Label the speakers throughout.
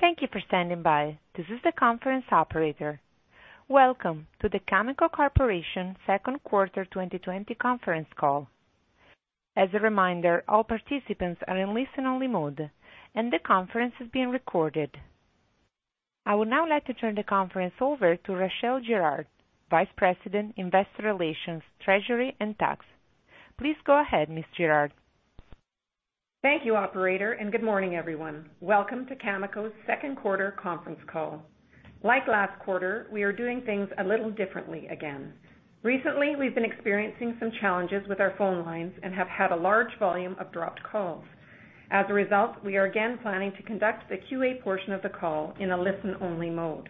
Speaker 1: Thank you for standing by. This is the conference operator. Welcome to the Cameco Corporation second quarter 2020 conference call. As a reminder, all participants are in listen-only mode, and the conference is being recorded. I would now like to turn the conference over to Rachelle Girard, Vice President, Investor Relations, Treasury and Tax. Please go ahead, Ms. Girard.
Speaker 2: Thank you, operator, and good morning, everyone. Welcome to Cameco's second quarter conference call. Like last quarter, we are doing things a little differently again. Recently, we've been experiencing some challenges with our phone lines and have had a large volume of dropped calls. As a result, we are again planning to conduct the QA portion of the call in a listen-only mode.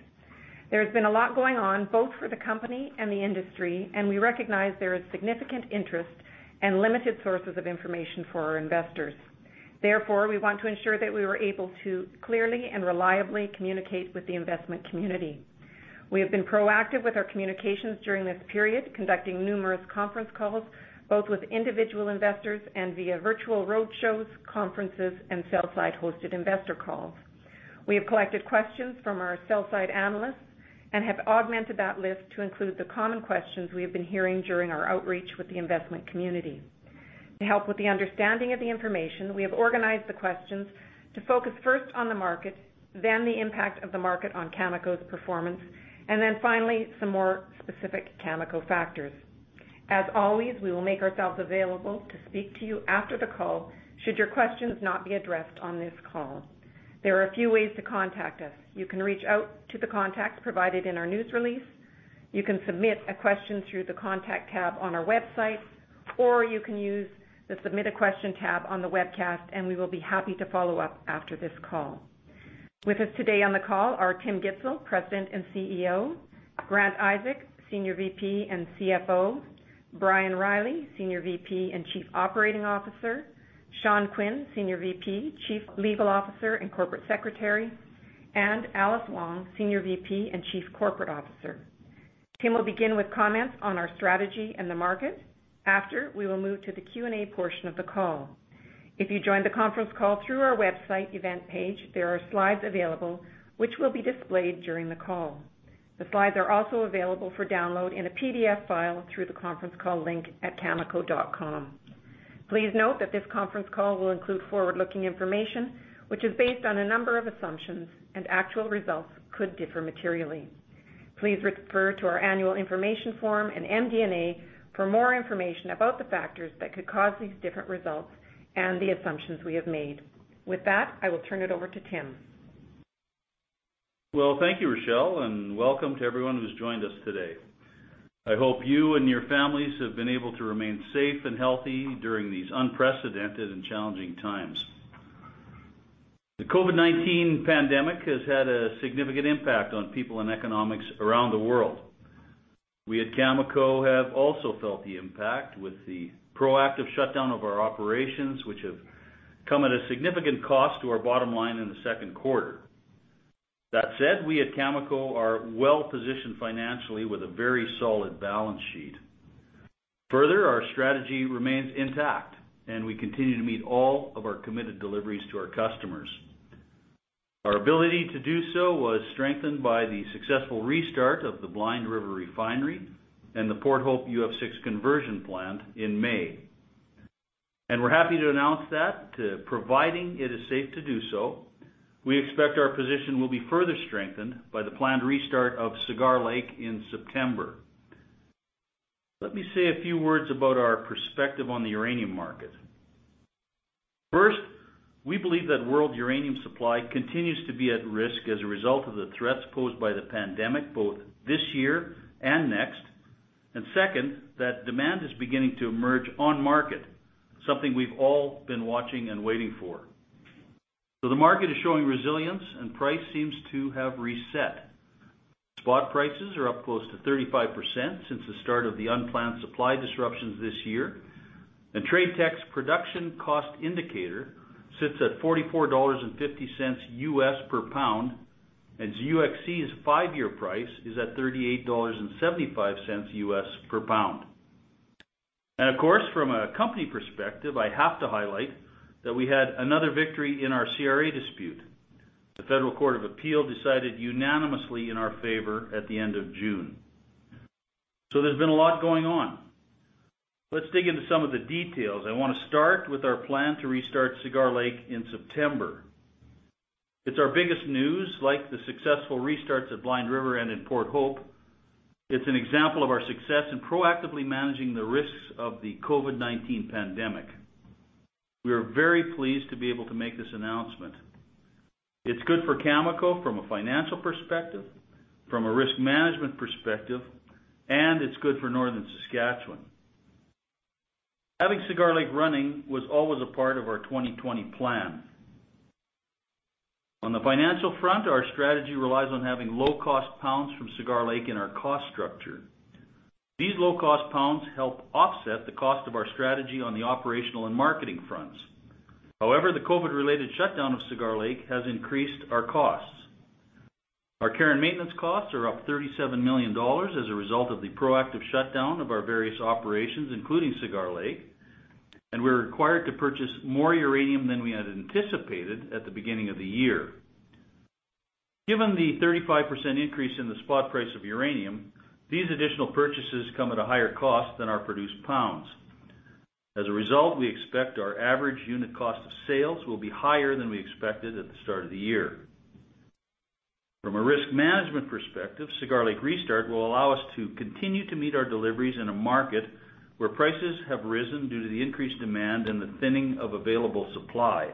Speaker 2: There has been a lot going on both for the company and the industry, and we recognize there is significant interest and limited sources of information for our investors. Therefore, we want to ensure that we were able to clearly and reliably communicate with the investment community. We have been proactive with our communications during this period, conducting numerous conference calls both with individual investors and via virtual road shows, conferences, and sell-side hosted investor calls. We have collected questions from our sell-side analysts and have augmented that list to include the common questions we have been hearing during our outreach with the investment community. To help with the understanding of the information, we have organized the questions to focus first on the market, then the impact of the market on Cameco's performance, and then finally, some more specific Cameco factors. As always, we will make ourselves available to speak to you after the call, should your questions not be addressed on this call. There are a few ways to contact us. You can reach out to the contacts provided in our news release. You can submit a question through the Contact tab on our website, or you can use the Submit a Question tab on the webcast, and we will be happy to follow up after this call. With us today on the call are Tim Gitzel, President and CEO, Grant Isaac, Senior VP and CFO, Brian Reilly, Senior VP and Chief Operating Officer, Sean Quinn, Senior VP, Chief Legal Officer and Corporate Secretary, and Alice Wong, Senior VP and Chief Corporate Officer. Tim will begin with comments on our strategy and the market. After, we will move to the Q&A portion of the call. If you joined the conference call through our website event page, there are slides available which will be displayed during the call. The slides are also available for download in a PDF file through the conference call link at cameco.com. Please note that this conference call will include forward-looking information, which is based on a number of assumptions, and actual results could differ materially. Please refer to our annual information form and MD&A for more information about the factors that could cause these different results and the assumptions we have made. With that, I will turn it over to Tim.
Speaker 3: Well, thank you, Rachelle, and welcome to everyone who's joined us today. I hope you and your families have been able to remain safe and healthy during these unprecedented and challenging times. The COVID-19 pandemic has had a significant impact on people and economics around the world. We at Cameco have also felt the impact with the proactive shutdown of our operations, which have come at a significant cost to our bottom line in the second quarter. That said, we at Cameco are well positioned financially with a very solid balance sheet. Further, our strategy remains intact, and we continue to meet all of our committed deliveries to our customers. Our ability to do so was strengthened by the successful restart of the Blind River Refinery and the Port Hope UF6 conversion plant in May. We're happy to announce that, providing it is safe to do so, we expect our position will be further strengthened by the planned restart of Cigar Lake in September. Let me say a few words about our perspective on the uranium market. First, we believe that world uranium supply continues to be at risk as a result of the threats posed by the pandemic both this year and next. Second, that demand is beginning to emerge on market, something we've all been watching and waiting for. The market is showing resilience, and price seems to have reset. Spot prices are up close to 35% since the start of the unplanned supply disruptions this year, and TradeTech's production cost indicator sits at $44.50 per pound, and UxC's five-year price is at $38.75 per pound. Of course, from a company perspective, I have to highlight that we had another victory in our CRA dispute. The Federal Court of Appeal decided unanimously in our favor at the end of June. There's been a lot going on. Let's dig into some of the details. I want to start with our plan to restart Cigar Lake in September. It's our biggest news, like the successful restarts at Blind River and in Port Hope. It's an example of our success in proactively managing the risks of the COVID-19 pandemic. We are very pleased to be able to make this announcement. It's good for Cameco from a financial perspective, from a risk management perspective, and it's good for Northern Saskatchewan. Having Cigar Lake running was always a part of our 2020 plan. On the financial front, our strategy relies on having low-cost pounds from Cigar Lake in our cost structure. These low-cost pounds help offset the cost of our strategy on the operational and marketing fronts. However, the COVID-related shutdown of Cigar Lake has increased our costs. Our care and maintenance costs are up 37 million dollars as a result of the proactive shutdown of our various operations, including Cigar Lake, and we're required to purchase more uranium than we had anticipated at the beginning of the year. Given the 35% increase in the spot price of uranium, these additional purchases come at a higher cost than our produced pounds. As a result, we expect our average unit cost of sales will be higher than we expected at the start of the year. From a risk management perspective, Cigar Lake restart will allow us to continue to meet our deliveries in a market where prices have risen due to the increased demand and the thinning of available supply.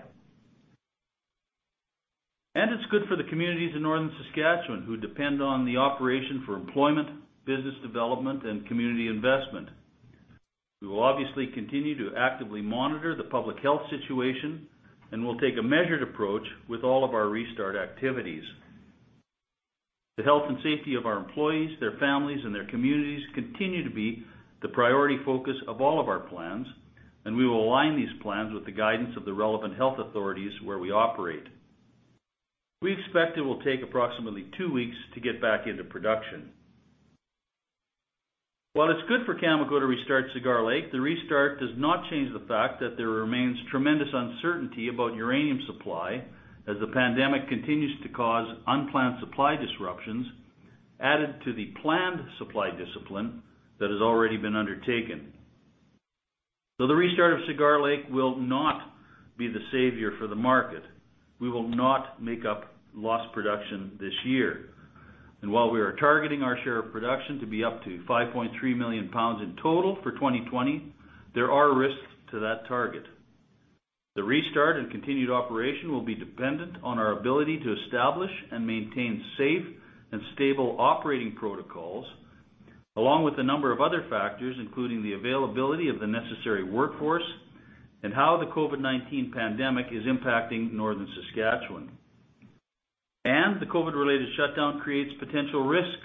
Speaker 3: It's good for the communities in Northern Saskatchewan who depend on the operation for employment, business development, and community investment. We will obviously continue to actively monitor the public health situation, and we'll take a measured approach with all of our restart activities. The health and safety of our employees, their families, and their communities continue to be the priority focus of all of our plans, and we will align these plans with the guidance of the relevant health authorities where we operate. We expect it will take approximately two weeks to get back into production. While it's good for Cameco to restart Cigar Lake, the restart does not change the fact that there remains tremendous uncertainty about uranium supply as the pandemic continues to cause unplanned supply disruptions added to the planned supply discipline that has already been undertaken. The restart of Cigar Lake will not be the savior for the market. We will not make up lost production this year. While we are targeting our share of production to be up to 5.3 million pounds in total for 2020, there are risks to that target. The restart and continued operation will be dependent on our ability to establish and maintain safe and stable operating protocols, along with a number of other factors, including the availability of the necessary workforce and how the COVID-19 pandemic is impacting Northern Saskatchewan. The COVID-related shutdown creates potential risk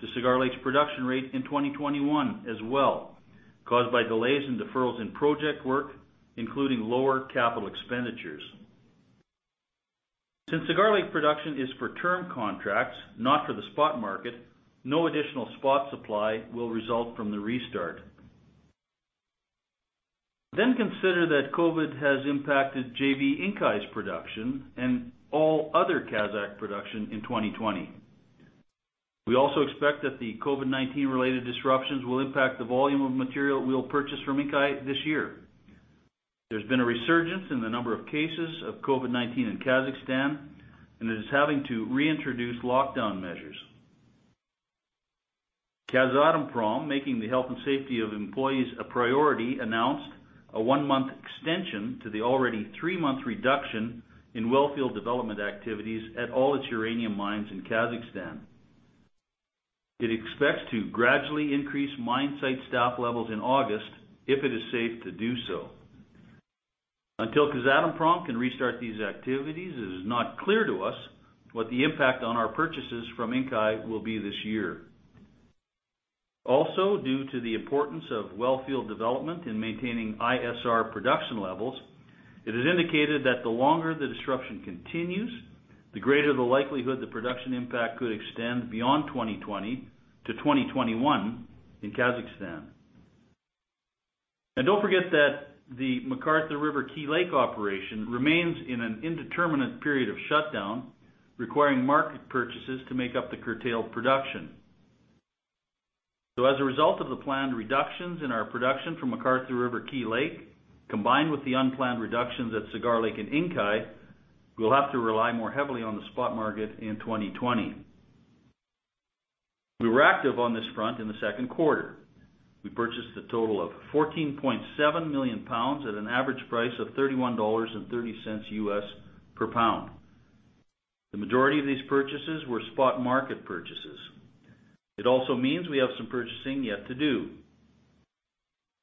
Speaker 3: to Cigar Lake's production rate in 2021 as well, caused by delays and deferrals in project work, including lower capital expenditures. Since Cigar Lake production is for term contracts, not for the spot market, no additional spot supply will result from the restart. Consider that COVID has impacted JV Inkai's production and all other Kazakh production in 2020. We also expect that the COVID-19-related disruptions will impact the volume of material we'll purchase from Inkai this year. There's been a resurgence in the number of cases of COVID-19 in Kazakhstan, and it is having to reintroduce lockdown measures. Kazatomprom, making the health and safety of employees a priority, announced a one-month extension to the already three-month reduction in wellfield development activities at all its uranium mines in Kazakhstan. It expects to gradually increase mine site staff levels in August if it is safe to do so. Until Kazatomprom can restart these activities, it is not clear to us what the impact on our purchases from Inkai will be this year. Also, due to the importance of wellfield development in maintaining ISR production levels, it has indicated that the longer the disruption continues, the greater the likelihood the production impact could extend beyond 2020-2021 in Kazakhstan. Don't forget that the McArthur River/Key Lake operation remains in an indeterminate period of shutdown, requiring market purchases to make up the curtailed production. As a result of the planned reductions in our production from McArthur River/Key Lake, combined with the unplanned reductions at Cigar Lake and Inkai, we will have to rely more heavily on the spot market in 2020. We were active on this front in the second quarter. We purchased a total of 14.7 million pounds at an average price of $31.30 per pound. The majority of these purchases were spot market purchases. It also means we have some purchasing yet to do.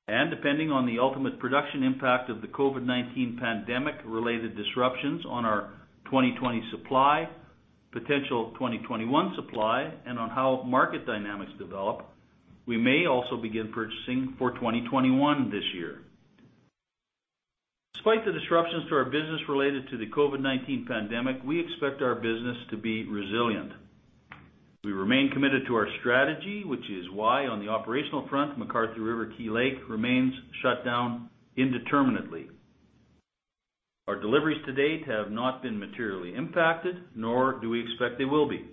Speaker 3: Depending on the ultimate production impact of the COVID-19 pandemic related disruptions on our 2020 supply, potential 2021 supply, and on how market dynamics develop, we may also begin purchasing for 2021 this year. Despite the disruptions to our business related to the COVID-19 pandemic, we expect our business to be resilient. We remain committed to our strategy, which is why on the operational front, McArthur River/Key Lake remains shut down indeterminately. Our deliveries to date have not been materially impacted, nor do we expect they will be.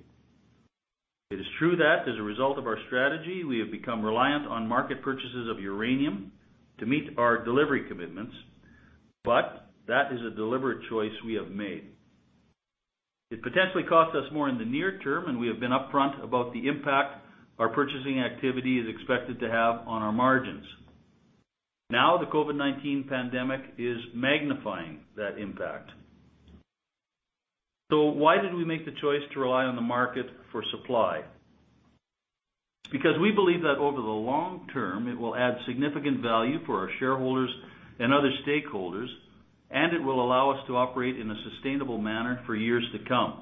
Speaker 3: It is true that as a result of our strategy, we have become reliant on market purchases of uranium to meet our delivery commitments, but that is a deliberate choice we have made. It potentially costs us more in the near term, and we have been upfront about the impact our purchasing activity is expected to have on our margins. Now, the COVID-19 pandemic is magnifying that impact. Why did we make the choice to rely on the market for supply? Because we believe that over the long term, it will add significant value for our shareholders and other stakeholders, and it will allow us to operate in a sustainable manner for years to come.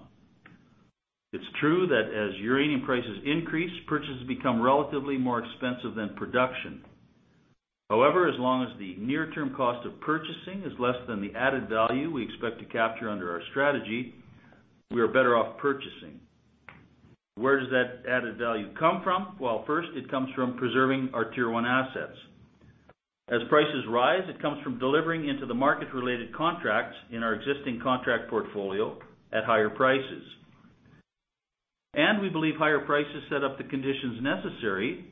Speaker 3: It's true that as uranium prices increase, purchases become relatively more expensive than production. However, as long as the near-term cost of purchasing is less than the added value we expect to capture under our strategy, we are better off purchasing. Where does that added value come from? Well, first, it comes from preserving our Tier 1 assets. As prices rise, it comes from delivering into the market-related contracts in our existing contract portfolio at higher prices. We believe higher prices set up the conditions necessary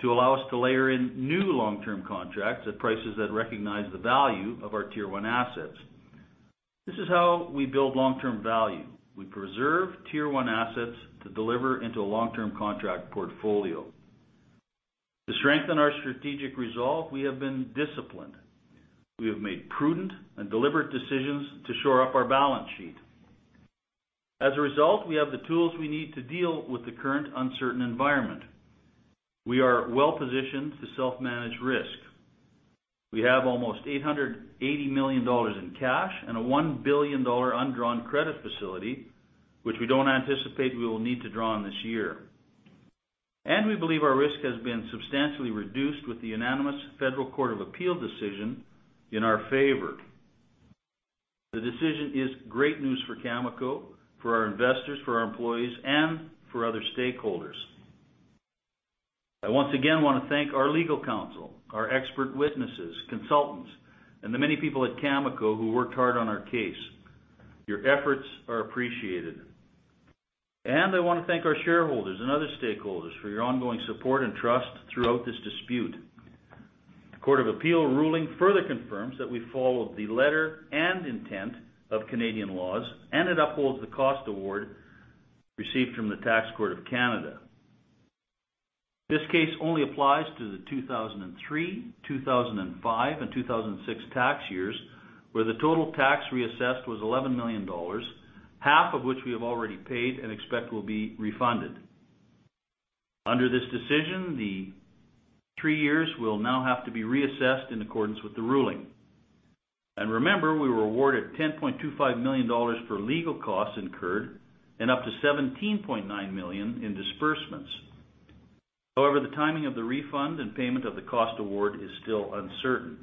Speaker 3: to allow us to layer in new long-term contracts at prices that recognize the value of our Tier 1 assets. This is how we build long-term value. We preserve Tier 1 assets to deliver into a long-term contract portfolio. To strengthen our strategic resolve, we have been disciplined. We have made prudent and deliberate decisions to shore up our balance sheet. As a result, we have the tools we need to deal with the current uncertain environment. We are well positioned to self-manage risk. We have almost 880 million dollars in cash and a 1 billion dollar undrawn credit facility, which we don't anticipate we will need to draw on this year. We believe our risk has been substantially reduced with the unanimous Federal Court of Appeal decision in our favor. The decision is great news for Cameco, for our investors, for our employees, and for other stakeholders. I once again want to thank our legal counsel, our expert witnesses, consultants, and the many people at Cameco who worked hard on our case. Your efforts are appreciated. I want to thank our shareholders and other stakeholders for your ongoing support and trust throughout this dispute. The Court of Appeal ruling further confirms that we followed the letter and intent of Canadian laws, and it upholds the cost award received from the Tax Court of Canada. This case only applies to the 2003, 2005, and 2006 tax years, where the total tax reassessed was 11 million dollars, half of which we have already paid and expect will be refunded. Under this decision, the three years will now have to be reassessed in accordance with the ruling. Remember, we were awarded 10.25 million dollars for legal costs incurred and up to 17.9 million in disbursements. However, the timing of the refund and payment of the cost award is still uncertain.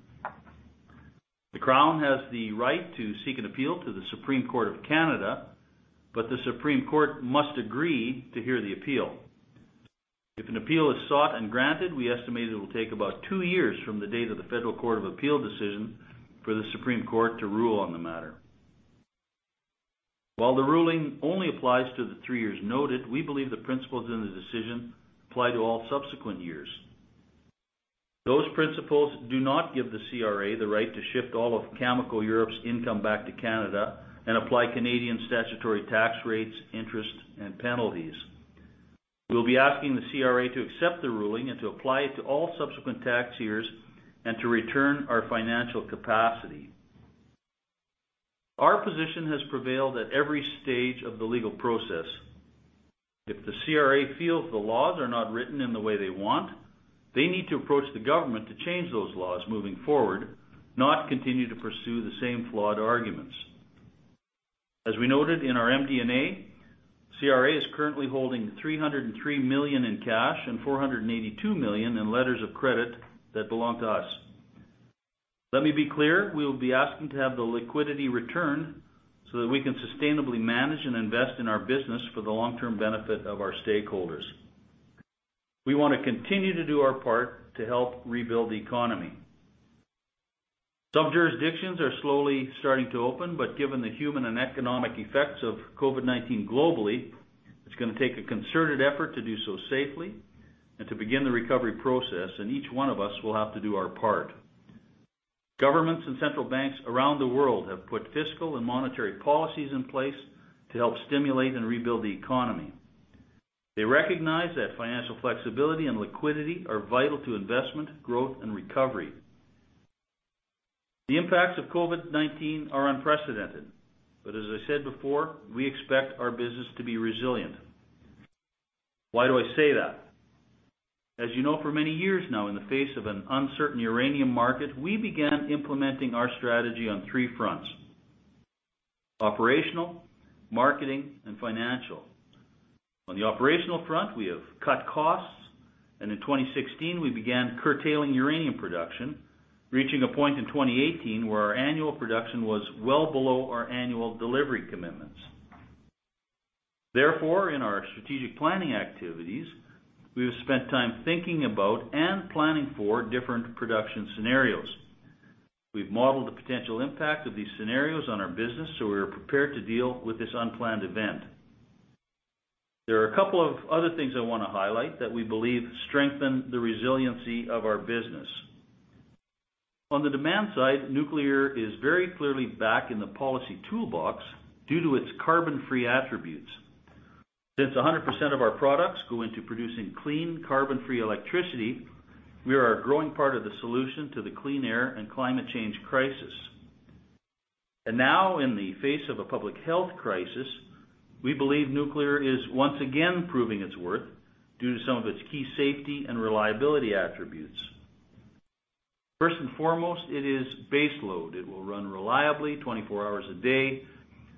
Speaker 3: The Crown has the right to seek an appeal to the Supreme Court of Canada, but the Supreme Court must agree to hear the appeal. If an appeal is sought and granted, we estimate it will take about two years from the date of the Federal Court of Appeal decision for the Supreme Court to rule on the matter. While the ruling only applies to the three years noted, we believe the principles in the decision apply to all subsequent years. Those principles do not give the CRA the right to shift all of Cameco Europe's income back to Canada and apply Canadian statutory tax rates, interest, and penalties. We'll be asking the CRA to accept the ruling and to apply it to all subsequent tax years and to return our financial capacity. Our position has prevailed at every stage of the legal process. If the CRA feels the laws are not written in the way they want, they need to approach the government to change those laws moving forward, not continue to pursue the same flawed arguments. As we noted in our MD&A, CRA is currently holding 303 million in cash and 482 million in letters of credit that belong to us. Let me be clear, we will be asking to have the liquidity returned so that we can sustainably manage and invest in our business for the long-term benefit of our stakeholders. We want to continue to do our part to help rebuild the economy. Some jurisdictions are slowly starting to open, but given the human and economic effects of COVID-19 globally, it's going to take a concerted effort to do so safely and to begin the recovery process, and each one of us will have to do our part. Governments and central banks around the world have put fiscal and monetary policies in place to help stimulate and rebuild the economy. They recognize that financial flexibility and liquidity are vital to investment, growth, and recovery. The impacts of COVID-19 are unprecedented, but as I said before, we expect our business to be resilient. Why do I say that? As you know, for many years now, in the face of an uncertain uranium market, we began implementing our strategy on three fronts: operational, marketing, and financial. On the operational front, we have cut costs, and in 2016, we began curtailing uranium production, reaching a point in 2018 where our annual production was well below our annual delivery commitments. Therefore, in our strategic planning activities, we have spent time thinking about and planning for different production scenarios. We've modeled the potential impact of these scenarios on our business, so we are prepared to deal with this unplanned event. There are a couple of other things I want to highlight that we believe strengthen the resiliency of our business. On the demand side, nuclear is very clearly back in the policy toolbox due to its carbon-free attributes. Since 100% of our products go into producing clean, carbon-free electricity, we are a growing part of the solution to the clean air and climate change crisis. Now, in the face of a public health crisis, we believe nuclear is once again proving its worth due to some of its key safety and reliability attributes. First and foremost, it is baseload. It will run reliably 24 hours a day,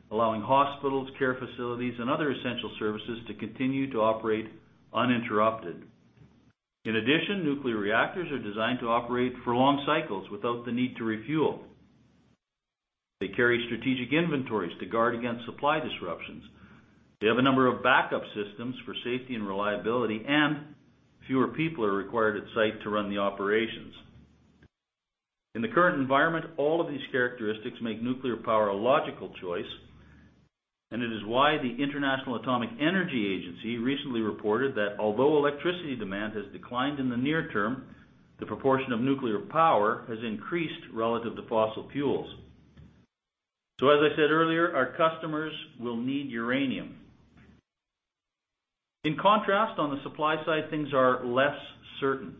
Speaker 3: allowing hospitals, care facilities, and other essential services to continue to operate uninterrupted. In addition, nuclear reactors are designed to operate for long cycles without the need to refuel. They carry strategic inventories to guard against supply disruptions. They have a number of backup systems for safety and reliability, and fewer people are required at site to run the operations. In the current environment, all of these characteristics make nuclear power a logical choice. It is why the International Atomic Energy Agency recently reported that although electricity demand has declined in the near term, the proportion of nuclear power has increased relative to fossil fuels. As I said earlier, our customers will need uranium. In contrast, on the supply side, things are less certain.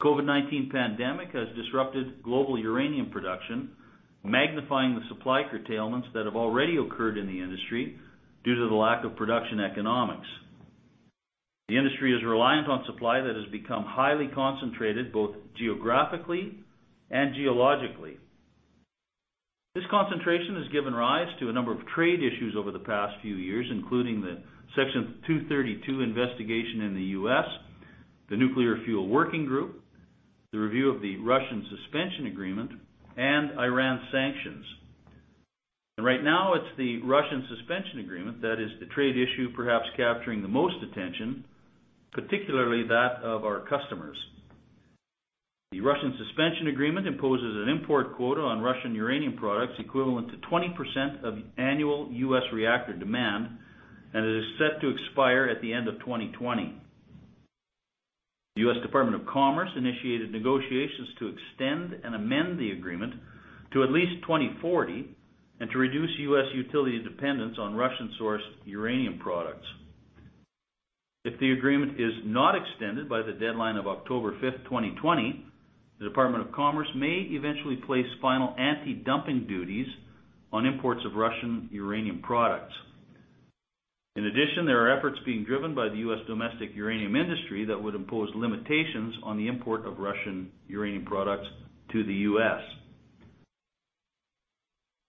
Speaker 3: COVID-19 pandemic has disrupted global uranium production, magnifying the supply curtailments that have already occurred in the industry due to the lack of production economics. The industry is reliant on supply that has become highly concentrated both geographically and geologically. This concentration has given rise to a number of trade issues over the past few years, including the Section 232 investigation in the U.S., the Nuclear Fuel Working Group, the review of the Russian Suspension Agreement, and Iran sanctions. Right now it's the Russian Suspension Agreement that is the trade issue perhaps capturing the most attention, particularly that of our customers. The Russian Suspension Agreement imposes an import quota on Russian uranium products equivalent to 20% of annual U.S. reactor demand, and it is set to expire at the end of 2020. The U.S. Department of Commerce initiated negotiations to extend and amend the agreement to at least 2040 and to reduce U.S. utility dependence on Russian-sourced uranium products. If the agreement is not extended by the deadline of October 5th, 2020, the Department of Commerce may eventually place final anti-dumping duties on imports of Russian uranium products. In addition, there are efforts being driven by the U.S. domestic uranium industry that would impose limitations on the import of Russian uranium products to the U.S.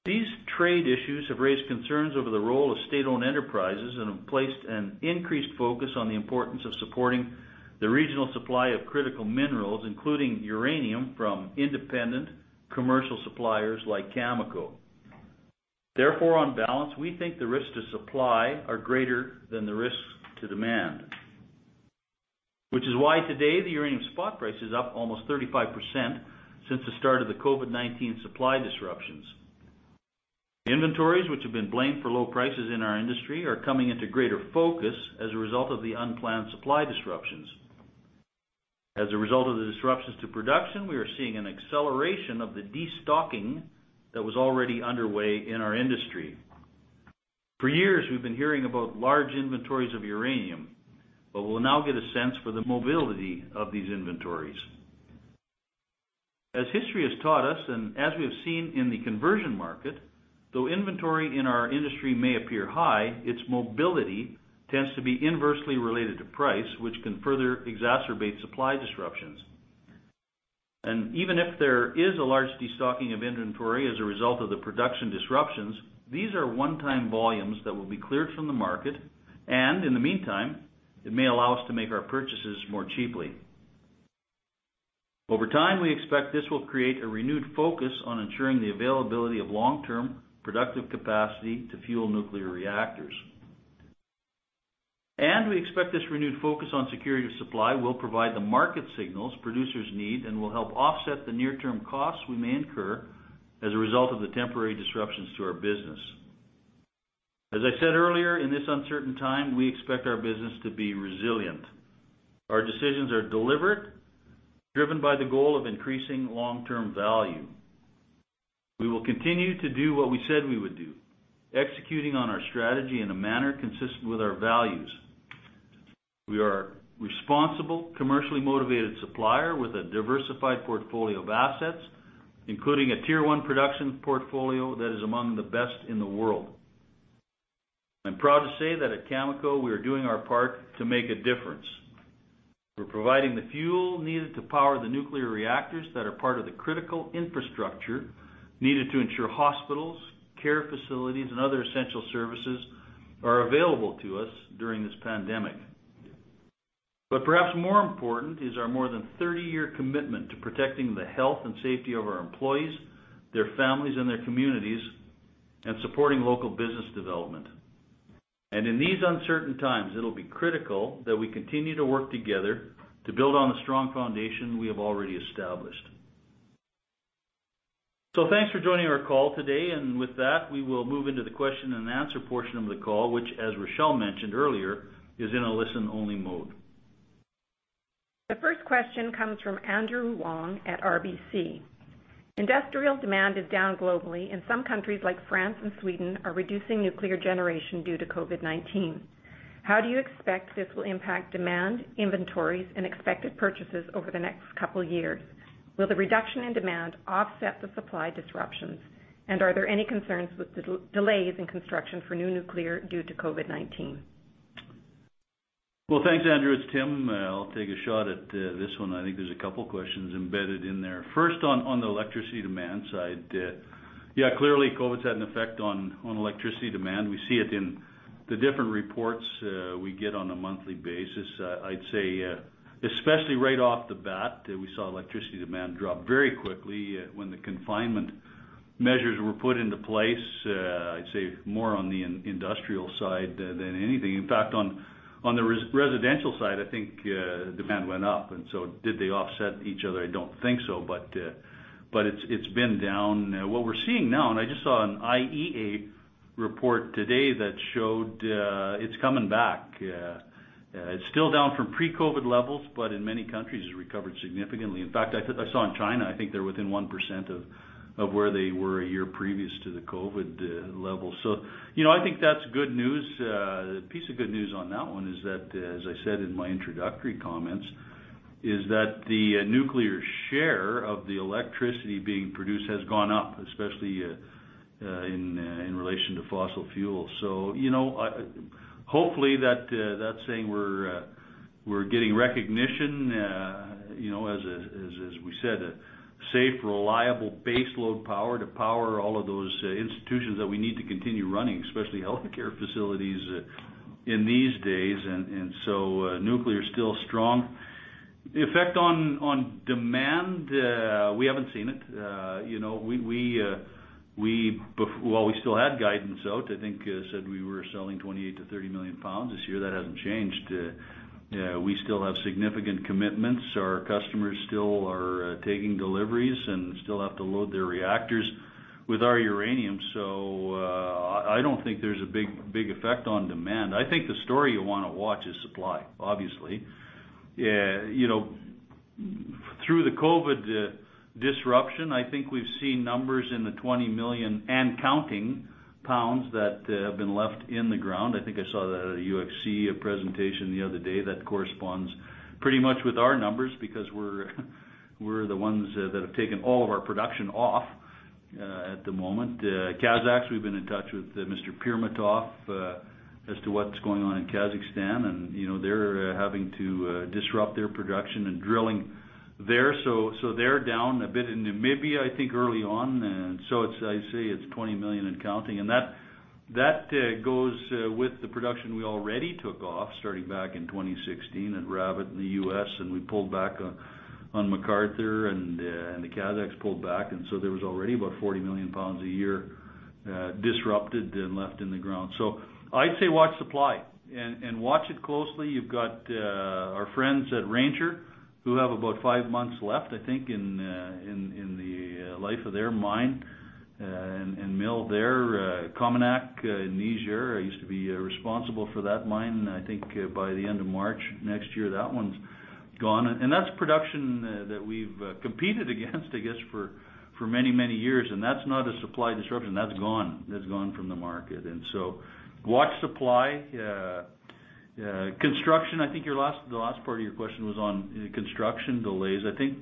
Speaker 3: These trade issues have raised concerns over the role of state-owned enterprises and have placed an increased focus on the importance of supporting the regional supply of critical minerals, including uranium from independent commercial suppliers like Cameco. Therefore, on balance, we think the risks to supply are greater than the risks to demand. Which is why today the uranium spot price is up almost 35% since the start of the COVID-19 supply disruptions. Inventories which have been blamed for low prices in our industry are coming into greater focus as a result of the unplanned supply disruptions. As a result of the disruptions to production, we are seeing an acceleration of the destocking that was already underway in our industry. For years we've been hearing about large inventories of uranium. We'll now get a sense for the mobility of these inventories. As history has taught us and as we have seen in the conversion market, though inventory in our industry may appear high, its mobility tends to be inversely related to price, which can further exacerbate supply disruptions. Even if there is a large destocking of inventory as a result of the production disruptions, these are one-time volumes that will be cleared from the market, and in the meantime, it may allow us to make our purchases more cheaply. Over time, we expect this will create a renewed focus on ensuring the availability of long-term productive capacity to fuel nuclear reactors. We expect this renewed focus on security of supply will provide the market signals producers need and will help offset the near-term costs we may incur as a result of the temporary disruptions to our business. As I said earlier, in this uncertain time, we expect our business to be resilient. Our decisions are deliberate, driven by the goal of increasing long-term value. We will continue to do what we said we would do, executing on our strategy in a manner consistent with our values. We are a responsible, commercially motivated supplier with a diversified portfolio of assets, including a Tier 1 production portfolio that is among the best in the world. I'm proud to say that at Cameco, we are doing our part to make a difference. We're providing the fuel needed to power the nuclear reactors that are part of the critical infrastructure needed to ensure hospitals, care facilities, and other essential services are available to us during this pandemic. Perhaps more important is our more than 30-year commitment to protecting the health and safety of our employees, their families, and their communities, and supporting local business development. In these uncertain times, it'll be critical that we continue to work together to build on the strong foundation we have already established. Thanks for joining our call today. With that, we will move into the question-and-answer portion of the call, which, as Rachelle mentioned earlier, is in a listen-only mode.
Speaker 2: The first question comes from Andrew Wong at RBC. Industrial demand is down globally, and some countries like France and Sweden are reducing nuclear generation due to COVID-19. How do you expect this will impact demand, inventories, and expected purchases over the next couple years? Will the reduction in demand offset the supply disruptions? Are there any concerns with the delays in construction for new nuclear due to COVID-19?
Speaker 3: Well, thanks, Andrew. It's Tim. I'll take a shot at this one. I think there's a couple questions embedded in there. First, on the electricity demand side, clearly COVID's had an effect on electricity demand. We see it in the different reports we get on a monthly basis. I'd say, especially right off the bat, we saw electricity demand drop very quickly when the confinement measures were put into place, I'd say more on the industrial side than anything. In fact, on the residential side, I think demand went up. Did they offset each other? I don't think so. It's been down. What we're seeing now, and I just saw an IEA report today that showed it's coming back. It's still down from pre-COVID levels, but in many countries it's recovered significantly. I saw in China, I think they're within 1% of where they were a year previous to the COVID-19 levels. I think that's good news. A piece of good news on that one is that, as I said in my introductory comments, is that the nuclear share of the electricity being produced has gone up, especially in relation to fossil fuels. Hopefully that's saying we're getting recognition, as we said, a safe, reliable baseload power to power all of those institutions that we need to continue running, especially healthcare facilities in these days. Nuclear is still strong. The effect on demand, we haven't seen it. While we still had guidance out, I think I said we were selling 28-30 million pounds this year. That hasn't changed. We still have significant commitments. Our customers still are taking deliveries and still have to load their reactors with our uranium. I don't think there's a big effect on demand. I think the story you want to watch is supply, obviously. Through the COVID disruption, I think we've seen numbers in the 20 million and counting pounds that have been left in the ground. I think I saw that at a UxC presentation the other day that corresponds pretty much with our numbers because we're the ones that have taken all of our production off at the moment. Kazakhs, we've been in touch with Mr. Pirmatov as to what's going on in Kazakhstan, and they're having to disrupt their production and drilling there. They're down a bit. I say it's 20 million and counting, and that goes with the production we already took off starting back in 2016 at Rabbit in the U.S., and we pulled back on McArthur and the Kazakhs pulled back, and so there was already about 40 million pounds a year disrupted and left in the ground. I'd say watch supply and watch it closely. You've got our friends at Ranger who have about five months left, I think, in the life of their mine and mill there. COMINAK, Niger, I used to be responsible for that mine. I think by the end of March next year, that one's gone. That's production that we've competed against, I guess, for many many years. That's not a supply disruption. That's gone from the market. And so, watch supply. Construction, I think the last part of your question was on construction delays. I think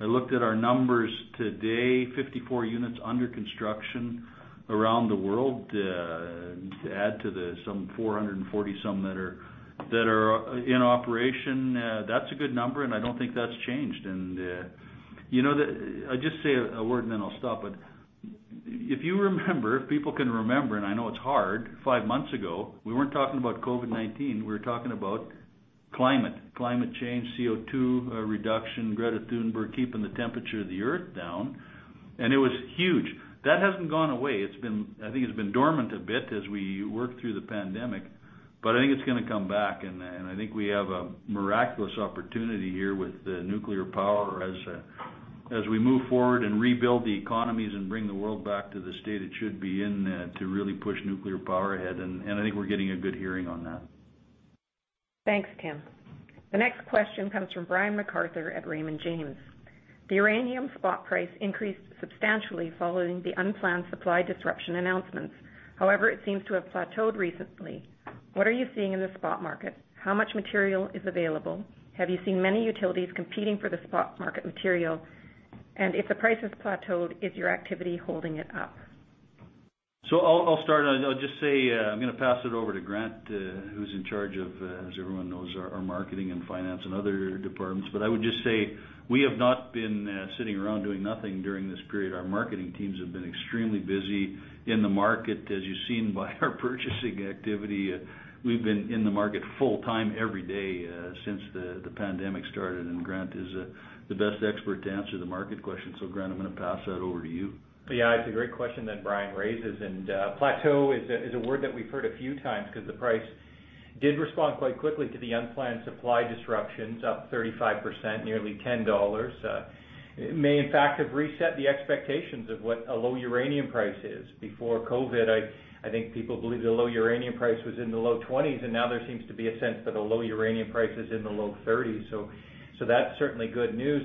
Speaker 3: I looked at our numbers today, 54 units under construction around the world to add to the some 440 some that are in operation. That's a good number. I don't think that's changed. I'll just say a word and I'll stop. If you remember, if people can remember, and I know it's hard, five months ago, we weren't talking about COVID-19, we were talking about climate. Climate change, CO2 reduction, Greta Thunberg keeping the temperature of the Earth down. It was huge. That hasn't gone away. I think it's been dormant a bit as we work through the pandemic, I think it's going to come back, and I think we have a miraculous opportunity here with nuclear power as we move forward and rebuild the economies and bring the world back to the state it should be in to really push nuclear power ahead. I think we're getting a good hearing on that.
Speaker 2: Thanks, Tim. The next question comes from Brian MacArthur at Raymond James. The uranium spot price increased substantially following the unplanned supply disruption announcements. However, it seems to have plateaued recently. What are you seeing in the spot market? How much material is available? Have you seen many utilities competing for the spot market material? If the price has plateaued, is your activity holding it up?
Speaker 3: I'll start, and I'll just say I'm going to pass it over to Grant, who's in charge of, as everyone knows, our marketing and finance and other departments. I would just say we have not been sitting around doing nothing during this period. Our marketing teams have been extremely busy in the market, as you've seen by our purchasing activity. We've been in the market full-time every day since the pandemic started. Grant is the best expert to answer the market question. Grant, I'm going to pass that over to you.
Speaker 4: Yeah. It's a great question that Brian raises, and plateau is a word that we've heard a few times because the price did respond quite quickly to the unplanned supply disruptions, up 35%, nearly 10 dollars. It may, in fact, have reset the expectations of what a low uranium price is. Before COVID, I think people believed the low uranium price was in the low 20s. Now there seems to be a sense that a low uranium price is in the low 30s. That's certainly good news.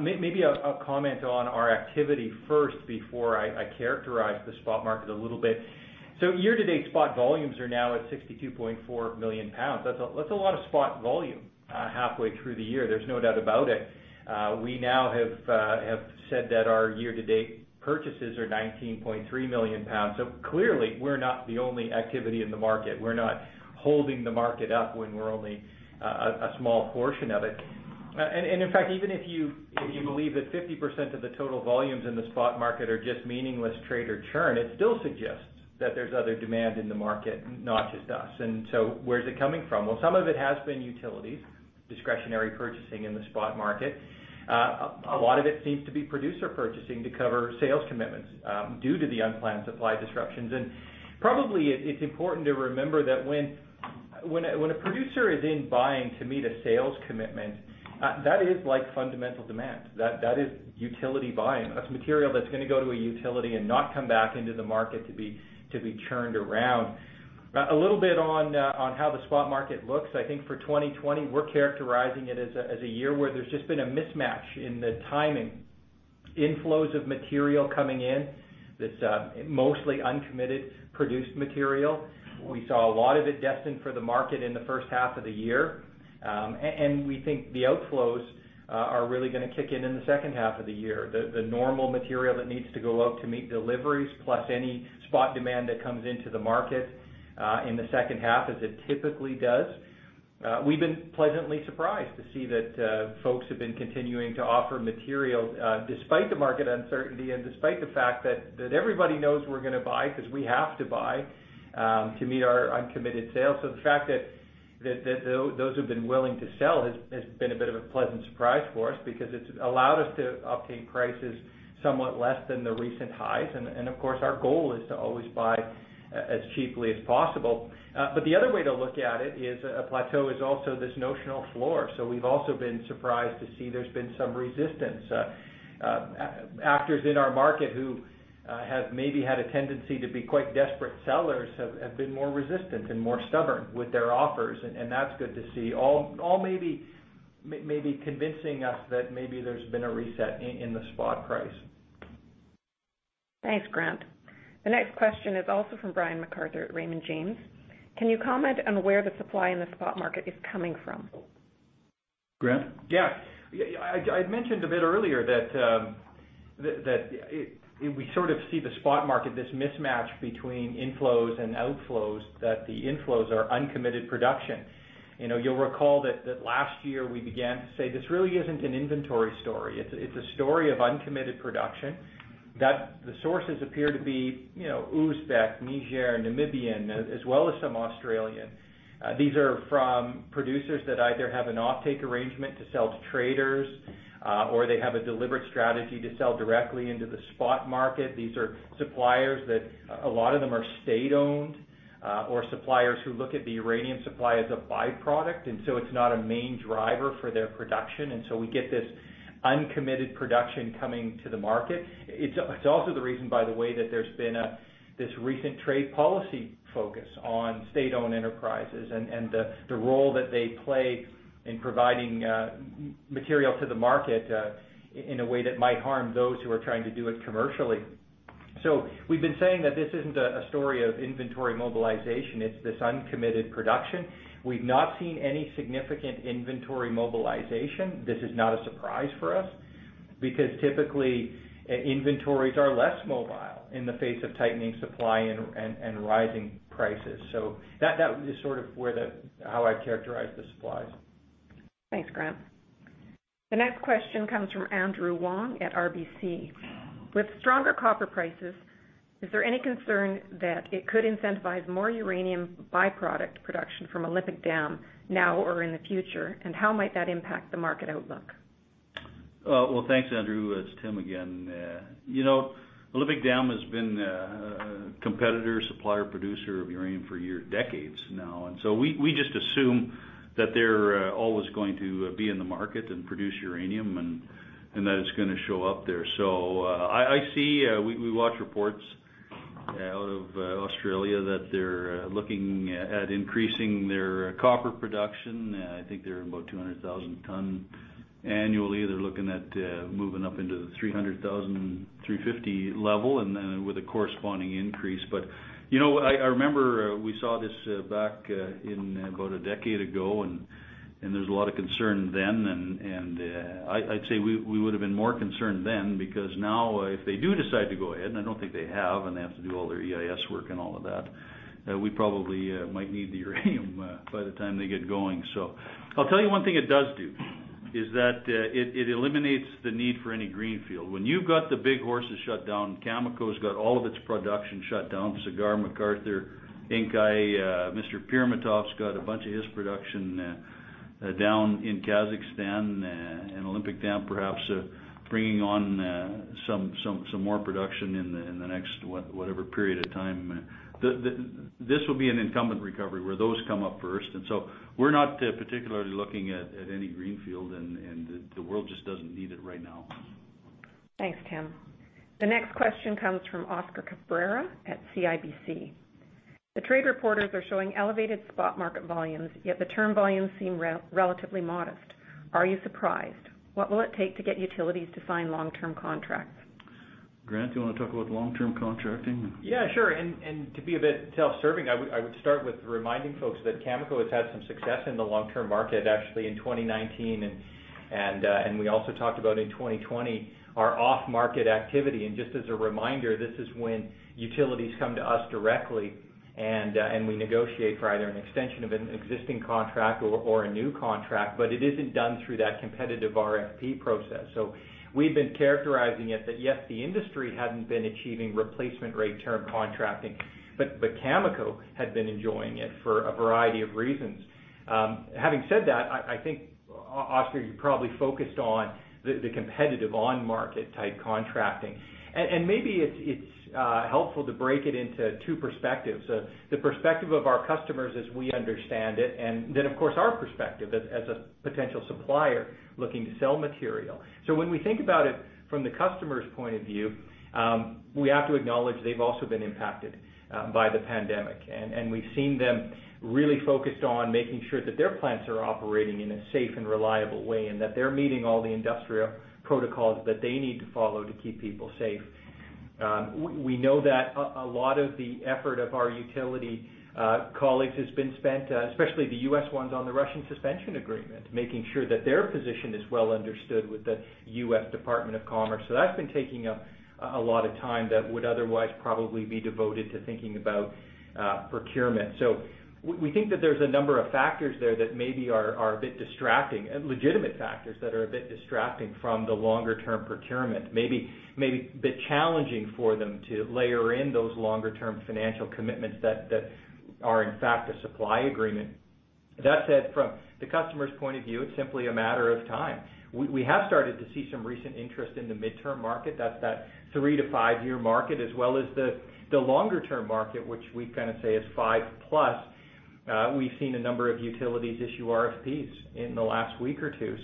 Speaker 4: Maybe I'll comment on our activity first before I characterize the spot market a little bit. Year-to-date spot volumes are now at 62.4 million pounds. That's a lot of spot volume. Halfway through the year, there's no doubt about it. We now have said that our year-to-date purchases are 19.3 million pounds. Clearly we're not the only activity in the market. We're not holding the market up when we're only a small portion of it. In fact, even if you believe that 50% of the total volumes in the spot market are just meaningless trader churn, it still suggests that there's other demand in the market, not just us. Where's it coming from? Well, some of it has been utilities, discretionary purchasing in the spot market. A lot of it seems to be producer purchasing to cover sales commitments due to the unplanned supply disruptions. Probably it's important to remember that when a producer is in buying to meet a sales commitment, that is like fundamental demand. That is utility buying. That's material that's going to go to a utility and not come back into the market to be churned around. A little bit on how the spot market looks. I think for 2020 we're characterizing it as a year where there's just been a mismatch in the timing, inflows of material coming in that's mostly uncommitted produced material. We saw a lot of it destined for the market in the first half of the year. We think the outflows are really going to kick in in the second half of the year, the normal material that needs to go out to meet deliveries, plus any spot demand that comes into the market in the second half as it typically does. We've been pleasantly surprised to see that folks have been continuing to offer material despite the market uncertainty and despite the fact that everybody knows we're going to buy because we have to buy to meet our uncommitted sales. The fact that those who've been willing to sell has been a bit of a pleasant surprise for us because it's allowed us to obtain prices somewhat less than the recent highs, and of course, our goal is to always buy as cheaply as possible. The other way to look at it is a plateau is also this notional floor. We've also been surprised to see there's been some resistance. Actors in our market who have maybe had a tendency to be quite desperate sellers have been more resistant and more stubborn with their offers and that's good to see. All may be convincing us that maybe there's been a reset in the spot price.
Speaker 2: Thanks, Grant. The next question is also from Brian MacArthur at Raymond James. Can you comment on where the supply in the spot market is coming from?
Speaker 3: Grant?
Speaker 4: Yeah. I mentioned a bit earlier that we sort of see the spot market, this mismatch between inflows and outflows, that the inflows are uncommitted production. You'll recall that last year we began to say, "This really isn't an inventory story. It's a story of uncommitted production." The sources appear to be Uzbek, Niger, Namibian, as well as some Australian. These are from producers that either have an offtake arrangement to sell to traders, or they have a deliberate strategy to sell directly into the spot market. These are suppliers that a lot of them are state-owned, or suppliers who look at the uranium supply as a byproduct, and so it's not a main driver for their production, and so we get this uncommitted production coming to the market. It's also the reason, by the way, that there's been this recent trade policy focus on state-owned enterprises and the role that they play in providing material to the market in a way that might harm those who are trying to do it commercially. We've been saying that this isn't a story of inventory mobilization. It's this uncommitted production. We've not seen any significant inventory mobilization. This is not a surprise for us because typically, inventories are less mobile in the face of tightening supply and rising prices. That is sort of how I'd characterize the supplies.
Speaker 2: Thanks, Grant. The next question comes from Andrew Wong at RBC. With stronger copper prices, is there any concern that it could incentivize more uranium byproduct production from Olympic Dam now or in the future? How might that impact the market outlook?
Speaker 3: Well, thanks, Andrew. It's Tim again. Olympic Dam has been a competitor, supplier, producer of uranium for decades now, and so we just assume that they're always going to be in the market and produce uranium and that it's going to show up there. I see, we watch reports out of Australia that they're looking at increasing their copper production. I think they're about 200,000 tons annually. They're looking at moving up into the 300,000, 350 level and with a corresponding increase. I remember we saw this back about a decade ago and there was a lot of concern then and I'd say we would've been more concerned then because now if they do decide to go ahead, and I don't think they have, and they have to do all their EIS work and all of that, we probably might need the uranium by the time they get going. I'll tell you one thing it does do, is that it eliminates the need for any greenfield. When you've got the big horses shut down, Cameco's got all of its production shut down, Cigar, McArthur, Inkai, Mr. Pirmatov's got a bunch of his production down in Kazakhstan, and Olympic Dam perhaps bringing on some more production in the next, whatever period of time. This will be an incumbent recovery where those come up first, and so we're not particularly looking at any greenfield, and the world just doesn't need it right now.
Speaker 2: Thanks, Tim. The next question comes from Oscar Cabrera at CIBC. The trade reporters are showing elevated spot market volumes, yet the term volumes seem relatively modest. Are you surprised? What will it take to get utilities to sign long-term contracts?
Speaker 3: Grant, do you want to talk about long-term contracting?
Speaker 4: Yeah, sure. To be a bit self-serving, I would start with reminding folks that Cameco has had some success in the long-term market, actually in 2019, and we also talked about in 2020 our off-market activity. Just as a reminder, this is when utilities come to us directly and we negotiate for either an extension of an existing contract or a new contract, but it isn't done through that competitive RFP process. We've been characterizing it that, yes, the industry hadn't been achieving replacement rate term contracting, but Cameco had been enjoying it for a variety of reasons. Having said that, I think, Oscar, you probably focused on the competitive on-market type contracting. Maybe it's helpful to break it into two perspectives. The perspective of our customers as we understand it, and then of course, our perspective as a potential supplier looking to sell material. When we think about it from the customer's point of view, we have to acknowledge they've also been impacted by the pandemic. We've seen them really focused on making sure that their plants are operating in a safe and reliable way, and that they're meeting all the industrial protocols that they need to follow to keep people safe. We know that a lot of the effort of our utility colleagues has been spent, especially the U.S. ones, on the Russian Suspension Agreement, making sure that their position is well understood with the U.S. Department of Commerce. That's been taking up a lot of time that would otherwise probably be devoted to thinking about procurement. We think that there's a number of factors there that maybe are a bit distracting, legitimate factors that are a bit distracting from the longer-term procurement. Maybe a bit challenging for them to layer in those longer-term financial commitments that are in fact a supply agreement. And that said, from the customer's point of view, it's simply a matter of time. We have started to see some recent interest in the midterm market, that three- to five-year market, as well as the longer-term market, which we say is 5+. We've seen a number of utilities issue RFPs in the last week or two.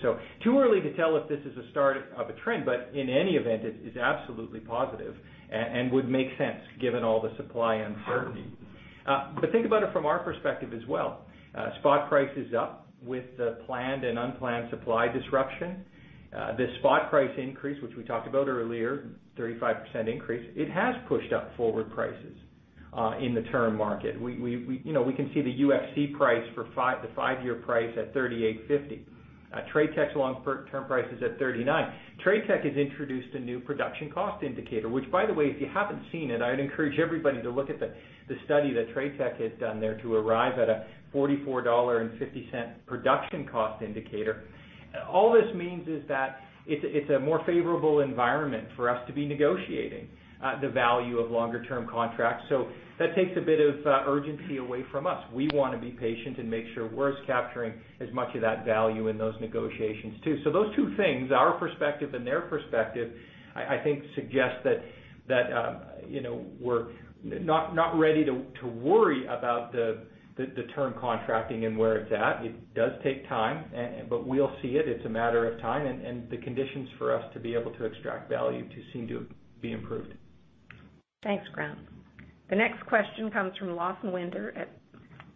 Speaker 4: Too early to tell if this is a start of a trend, but in any event, it is absolutely positive and would make sense given all the supply uncertainty. Think about it from our perspective as well. Spot price is up with the planned and unplanned supply disruption. The spot price increase, which we talked about earlier, 35% increase, it has pushed up forward prices in the term market. We can see the UxC price for the five-year price at $38.50. TradeTech's long-term price is at $39. TradeTech has introduced a new production cost indicator, which by the way, if you haven't seen it, I'd encourage everybody to look at the study that TradeTech has done there to arrive at a $44.50 production cost indicator. All this means is that it's a more favorable environment for us to be negotiating the value of longer-term contracts. That takes a bit of urgency away from us. We want to be patient and make sure we're capturing as much of that value in those negotiations too. Those two things, our perspective and their perspective, I think suggest that we're not ready to worry about the term contracting and where it's at. It does take time, but we'll see it. It's a matter of time, and the conditions for us to be able to extract value to seem to be improved.
Speaker 2: Thanks, Grant. The next question comes from Lawson Winder at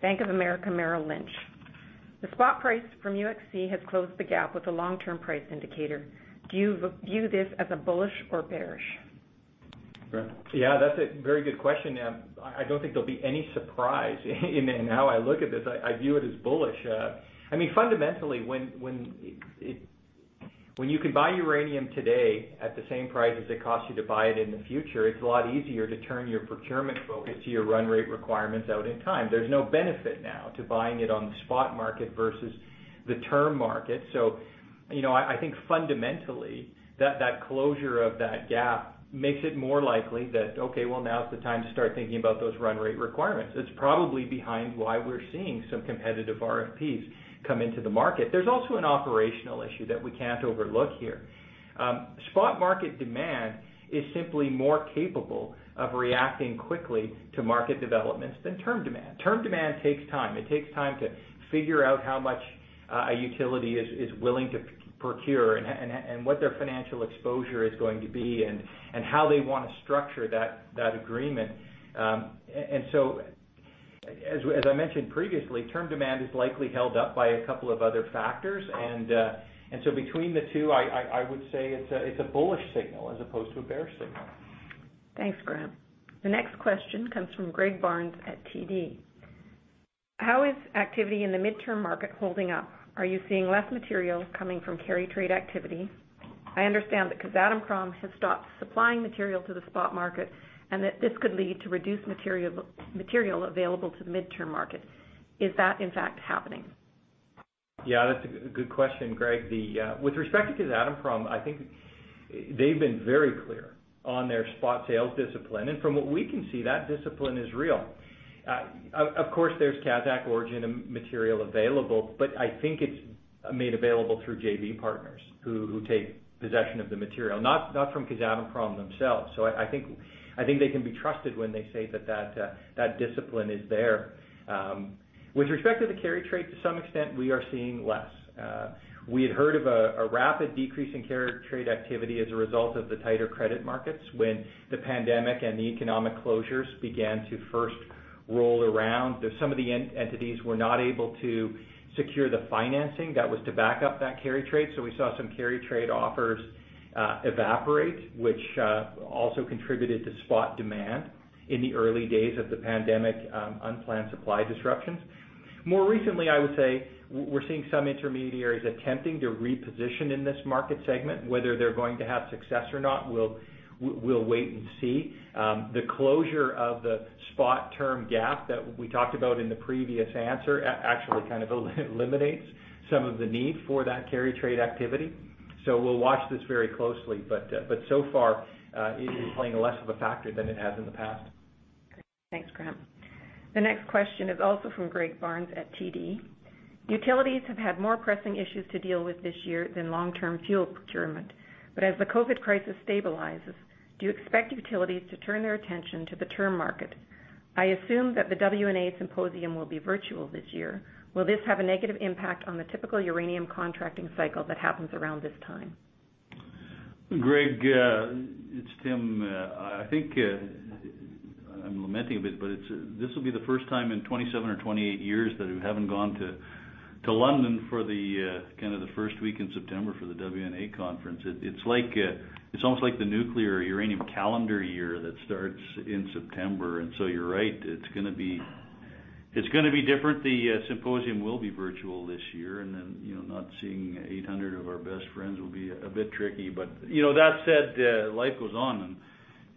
Speaker 2: Bank of America Merrill Lynch. The spot price from UxC has closed the gap with the long-term price indicator. Do you view this as bullish or bearish?
Speaker 4: Yeah, that's a very good question. I don't think there'll be any surprise in how I look at this. I view it as bullish. Fundamentally when you can buy uranium today at the same price as it costs you to buy it in the future, it's a lot easier to turn your procurement focus to your run rate requirements out in time. There's no benefit now to buying it on the spot market versus the term market. I think fundamentally that closure of that gap makes it more likely that, okay, well, now is the time to start thinking about those run rate requirements. It's probably behind why we're seeing some competitive RFPs come into the market. There's also an operational issue that we can't overlook here. Spot market demand is simply more capable of reacting quickly to market developments than term demand. Term demand takes time. It takes time to figure out how much a utility is willing to procure and what their financial exposure is going to be and how they want to structure that agreement. As I mentioned previously, term demand is likely held up by a couple of other factors. Between the two, I would say it's a bullish signal as opposed to a bearish signal.
Speaker 2: Thanks, Grant. The next question comes from Greg Barnes at TD. How is activity in the midterm market holding up? Are you seeing less material coming from carry trade activity? I understand that Kazatomprom has stopped supplying material to the spot market, and that this could lead to reduced material available to the midterm market. Is that in fact happening?
Speaker 4: Yeah. That's a good question, Greg. With respect to Kazatomprom, I think they've been very clear on their spot sales discipline. From what we can see, that discipline is real. Of course, there's Kazakh origin material available, but I think it's made available through JV partners who take possession of the material, not from Kazatomprom themselves. I think they can be trusted when they say that discipline is there. With respect to the carry trade, to some extent, we are seeing less. We had heard of a rapid decrease in carry trade activity as a result of the tighter credit markets when the pandemic and the economic closures began to first roll around. Some of the entities were not able to secure the financing that was to back up that carry trade, so we saw some carry trade offers evaporate, which also contributed to spot demand in the early days of the pandemic unplanned supply disruptions. More recently, I would say, we're seeing some intermediaries attempting to reposition in this market segment. Whether they're going to have success or not, we'll wait and see. The closure of the spot-term gap that we talked about in the previous answer actually kind of eliminates some of the need for that carry trade activity. We'll watch this very closely. So far, it is playing less of a factor than it has in the past.
Speaker 2: Okay. Thanks, Grant. The next question is also from Greg Barnes at TD. Utilities have had more pressing issues to deal with this year than long-term fuel procurement. As the COVID crisis stabilizes, do you expect utilities to turn their attention to the term market? I assume that the WNA Symposium will be virtual this year. Will this have a negative impact on the typical uranium contracting cycle that happens around this time?
Speaker 3: Greg, it's Tim. I think I'm lamenting a bit, but this will be the first time in 27 or 28 years that we haven't gone to London for the first week in September for the WNA conference. It's almost like the nuclear uranium calendar year that starts in September, and so you're right. It's going to be different. The symposium will be virtual this year, and then not seeing 800 of our best friends will be a bit tricky. That said, life goes on,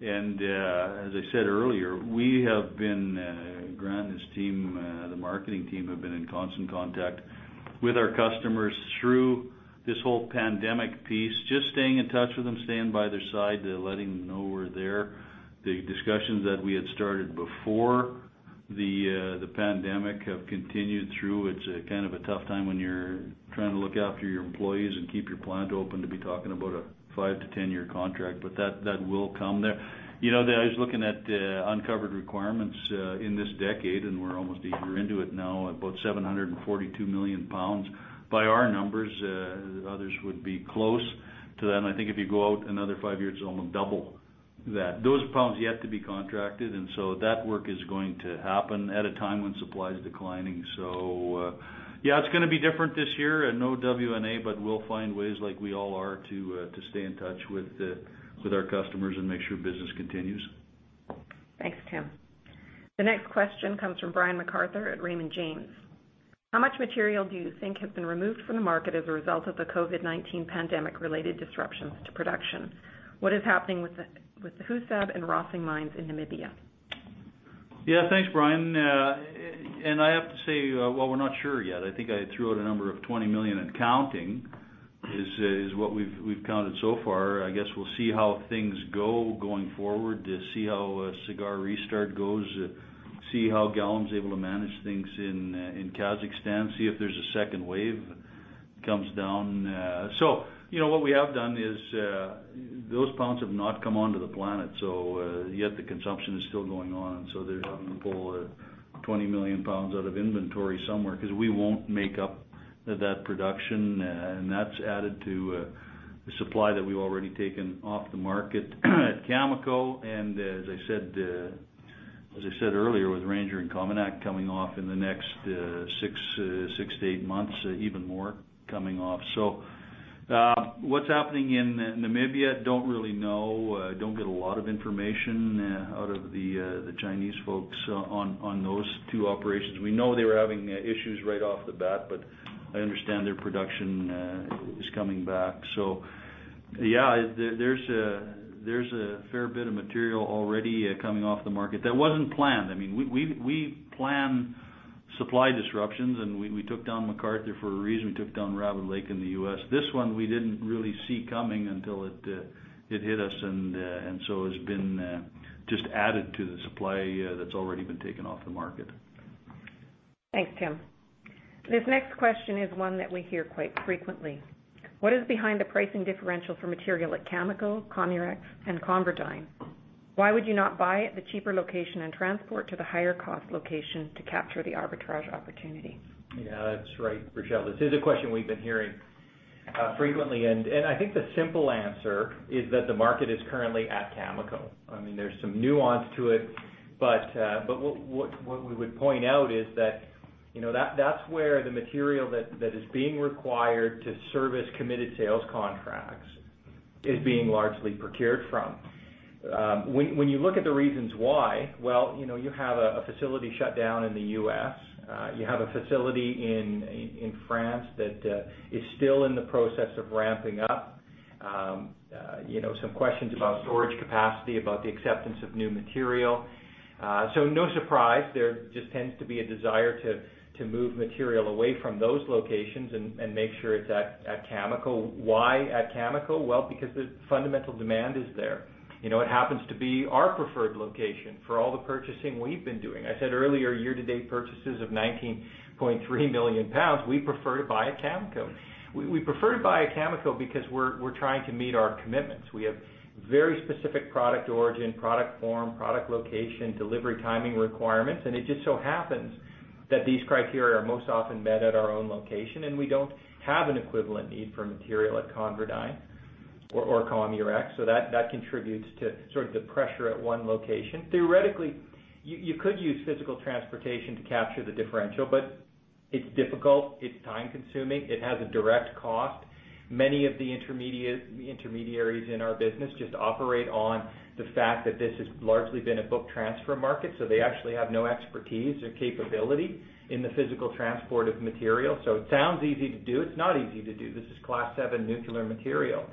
Speaker 3: and as I said earlier, we have been, Grant and his team, the marketing team, have been in constant contact with our customers through this whole pandemic piece, just staying in touch with them, staying by their side, letting them know we're there. The discussions that we had started before the pandemic have continued through. It's a tough time when you're trying to look after your employees and keep your plant open to be talking about a five- to ten-year contract. But that will come. I was looking at uncovered requirements in this decade. We're almost a year into it now, about 742 million pounds by our numbers. Others would be close to that. I think if you go out another five years, it'll almost double that. Those pounds yet to be contracted. That work is going to happen at a time when supply is declining. Yeah, it's going to be different this year and no WNA. We'll find ways like we all are to stay in touch with our customers and make sure business continues.
Speaker 2: Thanks, Tim. The next question comes from Brian MacArthur at Raymond James. How much material do you think has been removed from the market as a result of the COVID-19 pandemic-related disruptions to production? What is happening with the Husab and Rössing mines in Namibia?
Speaker 3: Yeah. Thanks, Brian. I have to say, while we're not sure yet, I think I threw out a number of 20 million and counting, is what we've counted so far. I guess we'll see how things go going forward, to see how Cigar restart goes, see how Gowans able to manage things in Kazakhstan, see if there's a second wave comes down. What we have done is, those pounds have not come onto the planet, yet the consumption is still going on. They're having to pull 20 million pounds out of inventory somewhere because we won't make up that production. That's added to the supply that we've already taken off the market at Cameco. As I said earlier, with Ranger and COMINAK coming off in the next six to eight months, even more coming off. What's happening in Namibia, I don't really know. I don't get a lot of information out of the Chinese folks on those two operations. We know they were having issues right off the bat. I understand their production is coming back. Yeah, there's a fair bit of material already coming off the market that wasn't planned. We plan supply disruptions. We took down McArthur for a reason. We took down Rabbit Lake in the U.S. This one, we didn't really see coming until it hit us. It's been just added to the supply that's already been taken off the market.
Speaker 2: Thanks, Tim. This next question is one that we hear quite frequently. What is behind the pricing differential for material at Cameco, COMURHEX, and ConverDyn? W`hy would you not buy at the cheaper location and transport to the higher cost location to capture the arbitrage opportunity?
Speaker 4: Yeah. That's right, Rachelle. This is a question we've been hearing frequently, I think the simple answer is that the market is currently at Cameco. There's some nuance to it, but what we would point out is that that's where the material that is being required to service committed sales contracts is being largely procured from. When you look at the reasons why, well, you have a facility shut down in the U.S. You have a facility in France that is still in the process of ramping up. Some questions about storage capacity, about the acceptance of new material. No surprise, there just tends to be a desire to move material away from those locations and make sure it's at Cameco. Why at Cameco? Well, because the fundamental demand is there. It happens to be our preferred location for all the purchasing we've been doing. I said earlier, year-to-date purchases of 19.3 million pounds, we prefer to buy at Cameco. We prefer to buy at Cameco because we're trying to meet our commitments. We have very specific product origin, product form, product location, delivery timing requirements, and it just so happens that these criteria are most often met at our own location, and we don't have an equivalent need for material at ConverDyn or COMURHEX. That contributes to sort of the pressure at one location. Theoretically, you could use physical transportation to capture the differential, but it's difficult, it's time-consuming. It has a direct cost. Many of the intermediaries in our business just operate on the fact that this has largely been a book transfer market, so they actually have no expertise or capability in the physical transport of material. It sounds easy to do. It's not easy to do. This is Class 7 nuclear material.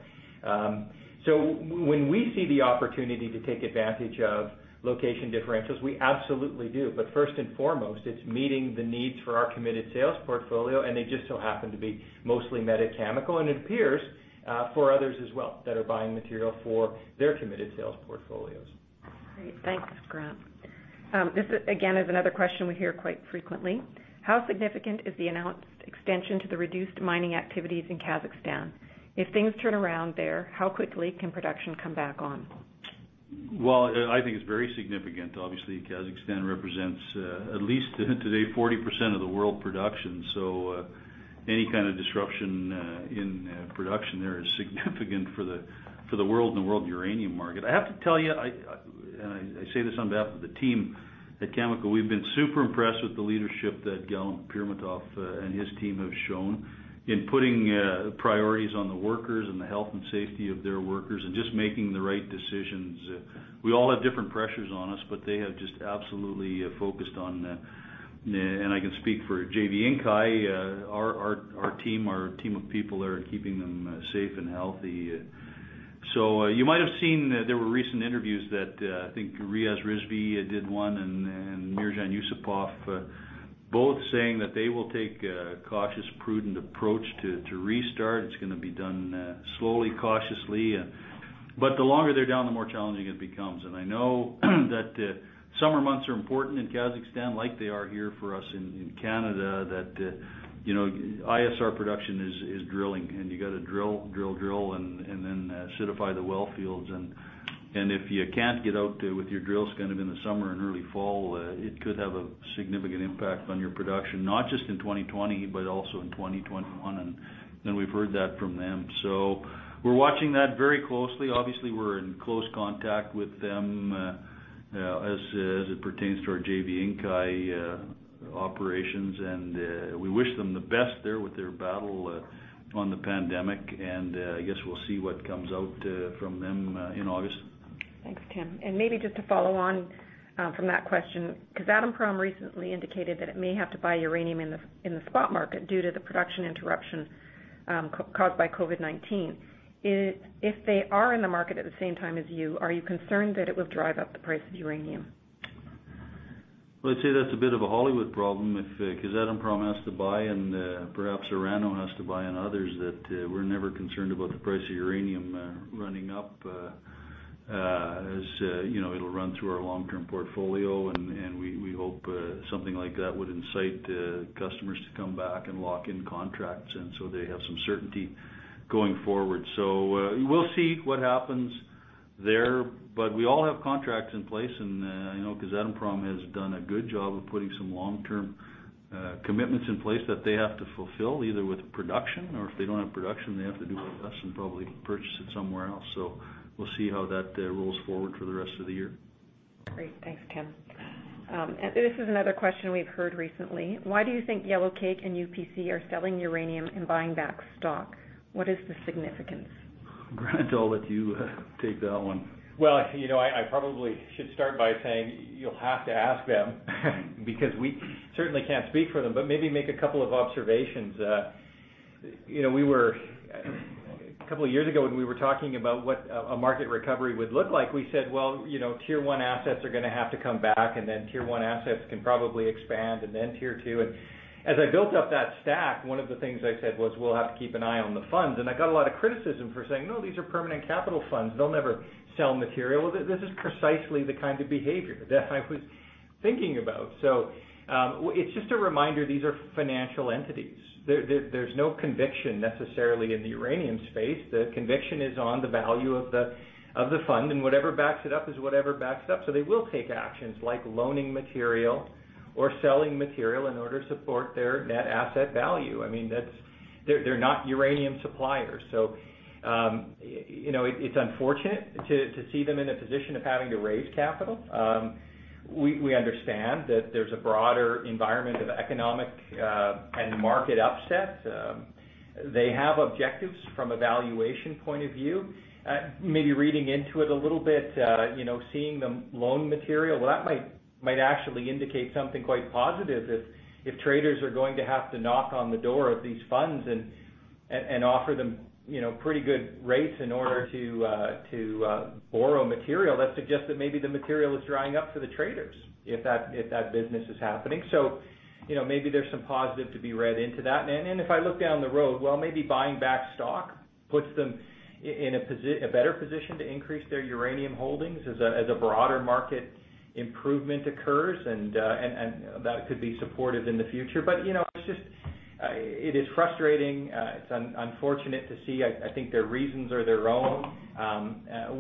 Speaker 4: When we see the opportunity to take advantage of location differentials, we absolutely do. First and foremost, it's meeting the needs for our committed sales portfolio, and they just so happen to be mostly Meta Chemical, and it appears, for others as well that are buying material for their committed sales portfolios.
Speaker 2: Great. Thanks, Grant. This again is another question we hear quite frequently. How significant is the announced extension to the reduced mining activities in Kazakhstan? If things turn around there, how quickly can production come back on?
Speaker 3: Well, I think it's very significant. Obviously, Kazakhstan represents at least today, 40% of the world production. Any kind of disruption in production there is significant for the world and the world uranium market. I have to tell you, and I say this on behalf of the team at Cameco, we've been super impressed with the leadership that Galym Pirmatov and his team have shown in putting priorities on the workers and the health and safety of their workers and just making the right decisions. We all have different pressures on us, but they have just absolutely focused on that. I can speak for JV Inkai, our team of people there are keeping them safe and healthy. You might have seen there were recent interviews that, I think Riaz Rizvi did one and Meirzhan Yussupov both saying that they will take a cautious, prudent approach to restart. It's going to be done slowly, cautiously. The longer they're down, the more challenging it becomes. I know that summer months are important in Kazakhstan, like they are here for us in Canada, that ISR production is drilling, and you got to drill, drill and then solidify the wellfields. If you can't get out there with your drill skin in the summer and early fall, it could have a significant impact on your production, not just in 2020, but also in 2021, and we've heard that from them. We're watching that very closely. Obviously, we're in close contact with them as it pertains to our JV Inkai operations, and we wish them the best there with their battle on the pandemic. I guess we'll see what comes out from them in August.
Speaker 2: Thanks, Tim. Maybe just to follow on from that question, Kazatomprom recently indicated that it may have to buy uranium in the spot market due to the production interruption caused by COVID-19. If they are in the market at the same time as you, are you concerned that it will drive up the price of uranium?
Speaker 3: I'd say that's a bit of a Hollywood problem. If Kazatomprom has to buy and perhaps Orano has to buy and others, that we're never concerned about the price of uranium running up. It'll run through our long-term portfolio and we hope something like that would incite customers to come back and lock in contracts, and so they have some certainty going forward. We'll see what happens there. We all have contracts in place, and I know Kazatomprom has done a good job of putting some long-term commitments in place that they have to fulfill, either with production or if they don't have production, they have to do what with us and probably purchase it somewhere else. We'll see how that rolls forward for the rest of the year.
Speaker 2: Great. Thanks, Tim. This is another question we've heard recently. Why do you think Yellow Cake and UPC are selling uranium and buying back stock? What is the significance?
Speaker 3: Grant, I'll let you take that one.
Speaker 4: Well, I probably should start by saying you'll have to ask them because we certainly can't speak for them, but maybe make a couple of observations. A couple of years ago when we were talking about what a market recovery would look like, we said, "Well, Tier 1 assets are going to have to come back, and then Tier 1 assets can probably expand and then Tier 2." As I built up that stack, one of the things I said was, "We'll have to keep an eye on the funds." I got a lot of criticism for saying, "No, these are permanent capital funds. They'll never sell material." This is precisely the kind of behavior that I was thinking about. It's just a reminder, these are financial entities. There's no conviction necessarily in the uranium space. The conviction is on the value of the fund, and whatever backs it up is whatever backs it up. They will take actions like loaning material or selling material in order to support their net asset value. They're not uranium suppliers. It's unfortunate to see them in a position of having to raise capital. We understand that there's a broader environment of economic and market upset. They have objectives from a valuation point of view. Maybe reading into it a little bit, seeing them loan material, well, that might actually indicate something quite positive if traders are going to have to knock on the door of these funds and offer them pretty good rates in order to borrow material, that suggests that maybe the material is drying up for the traders if that business is happening. Maybe there's some positive to be read into that. If I look down the road, well, maybe buying back stock puts them in a better position to increase their uranium holdings as a broader market improvement occurs and that could be supportive in the future. It is frustrating. It's unfortunate to see. I think their reasons are their own.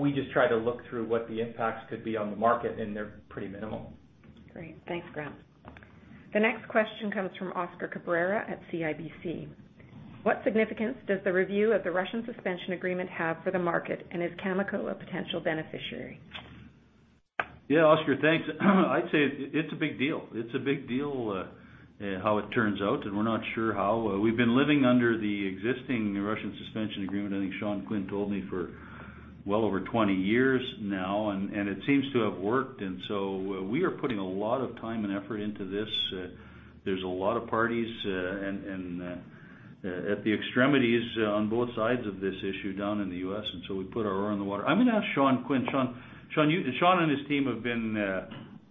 Speaker 4: We just try to look through what the impacts could be on the market, and they're pretty minimal.
Speaker 2: Great. Thanks, Grant. The next question comes from Oscar Cabrera at CIBC. What significance does the review of the Russian Suspension Agreement have for the market, and is Cameco a potential beneficiary?
Speaker 3: Yeah, Oscar. Thanks. I'd say it's a big deal. It's a big deal how it turns out, and we're not sure how. We've been living under the existing Russian Suspension Agreement, I think Sean Quinn told me, for well over 20 years now, and it seems to have worked. We are putting a lot of time and effort into this. There's a lot of parties at the extremities on both sides of this issue down in the U.S., we put our oar in the water. I'm going to ask Sean Quinn. Sean and his team have been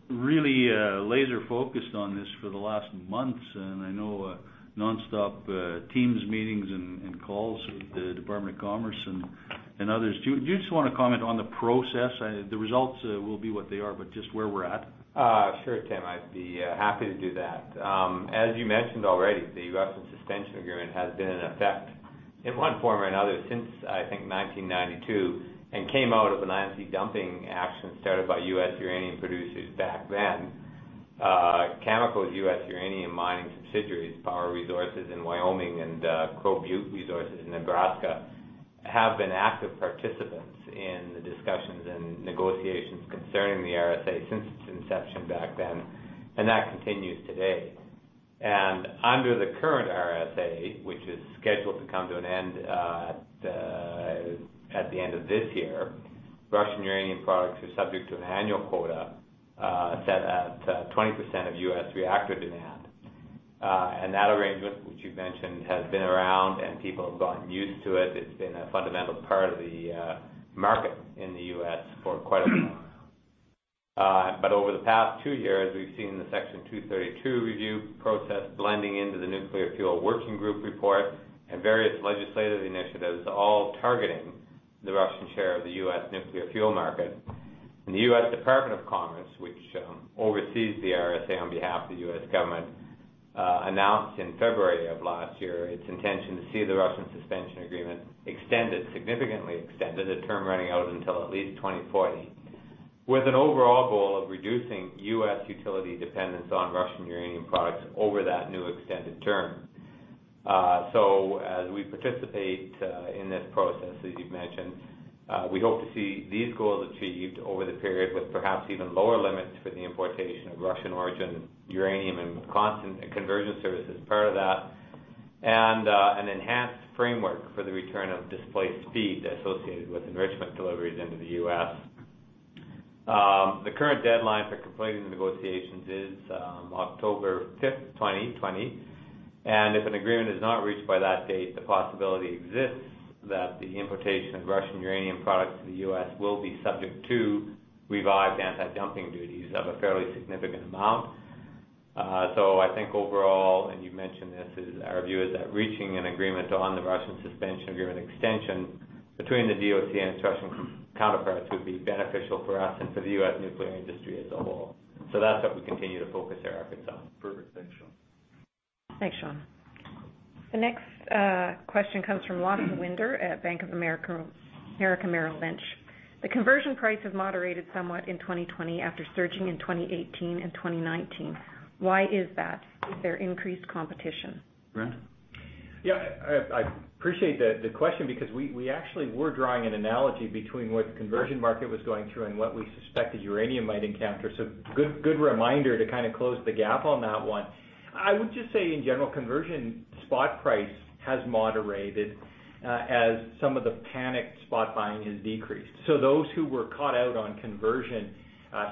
Speaker 3: really laser-focused on this for the last months, and I know nonstop Teams meetings and calls with the Department of Commerce and others. Do you just want to comment on the process? The results will be what they are, but just where we're at.
Speaker 5: Sure, Tim. I'd be happy to do that. As you mentioned already, the Russian Suspension Agreement has been in effect in one form or another since, I think, 1992, came out of an ITC dumping action started by U.S. uranium producers back then. Cameco's U.S. uranium mining subsidiaries, Power Resources in Wyoming and Crow Butte Resources in Nebraska, have been active participants in the discussions and negotiations concerning the RSA since its inception back then, and that continues today. Under the current RSA, which is scheduled to come to an end at the end of this year, Russian uranium products are subject to an annual quota set at 20% of U.S. reactor demand. That arrangement, which you've mentioned, has been around, and people have gotten used to it. It's been a fundamental part of the market in the U.S. for quite a while now. Over the past two years, we've seen the Section 232 review process blending into the Nuclear Fuel Working Group report and various legislative initiatives, all targeting the Russian share of the U.S. nuclear fuel market. The U.S. Department of Commerce, which oversees the RSA on behalf of the U.S. government, announced in February of last year its intention to see the Russian Suspension Agreement extended, significantly extended, the term running out until at least 2040, with an overall goal of reducing U.S. utility dependence on Russian uranium products over that new extended term. As we participate in this process, as you've mentioned, we hope to see these goals achieved over the period with perhaps even lower limits for the importation of Russian-origin uranium and conversion services as part of that, and an enhanced framework for the return of displaced feed associated with enrichment deliveries into the U.S. The current deadline for completing the negotiations is October 5th, 2020. If an agreement is not reached by that date, the possibility exists that the importation of Russian uranium products to the U.S. will be subject to revived anti-dumping duties of a fairly significant amount. I think overall, and you mentioned this, our view is that reaching an agreement on the Russian Suspension Agreement extension between the DOC and its Russian counterparts would be beneficial for us and for the U.S. nuclear industry as a whole. That's what we continue to focus our efforts on.
Speaker 3: Perfect. Thanks, Sean.
Speaker 2: Thanks, Sean. The next question comes from Lawson Winder at Bank of America Merrill Lynch. The conversion price has moderated somewhat in 2020 after surging in 2018 and 2019. Why is that? Is there increased competition?
Speaker 3: Grant?
Speaker 4: Yeah. I appreciate the question because we actually were drawing an analogy between what the conversion market was going through and what we suspected uranium might encounter. Good reminder to close the gap on that one. I would just say in general, conversion spot price has moderated as some of the panic spot buying has decreased. Those who were caught out on conversion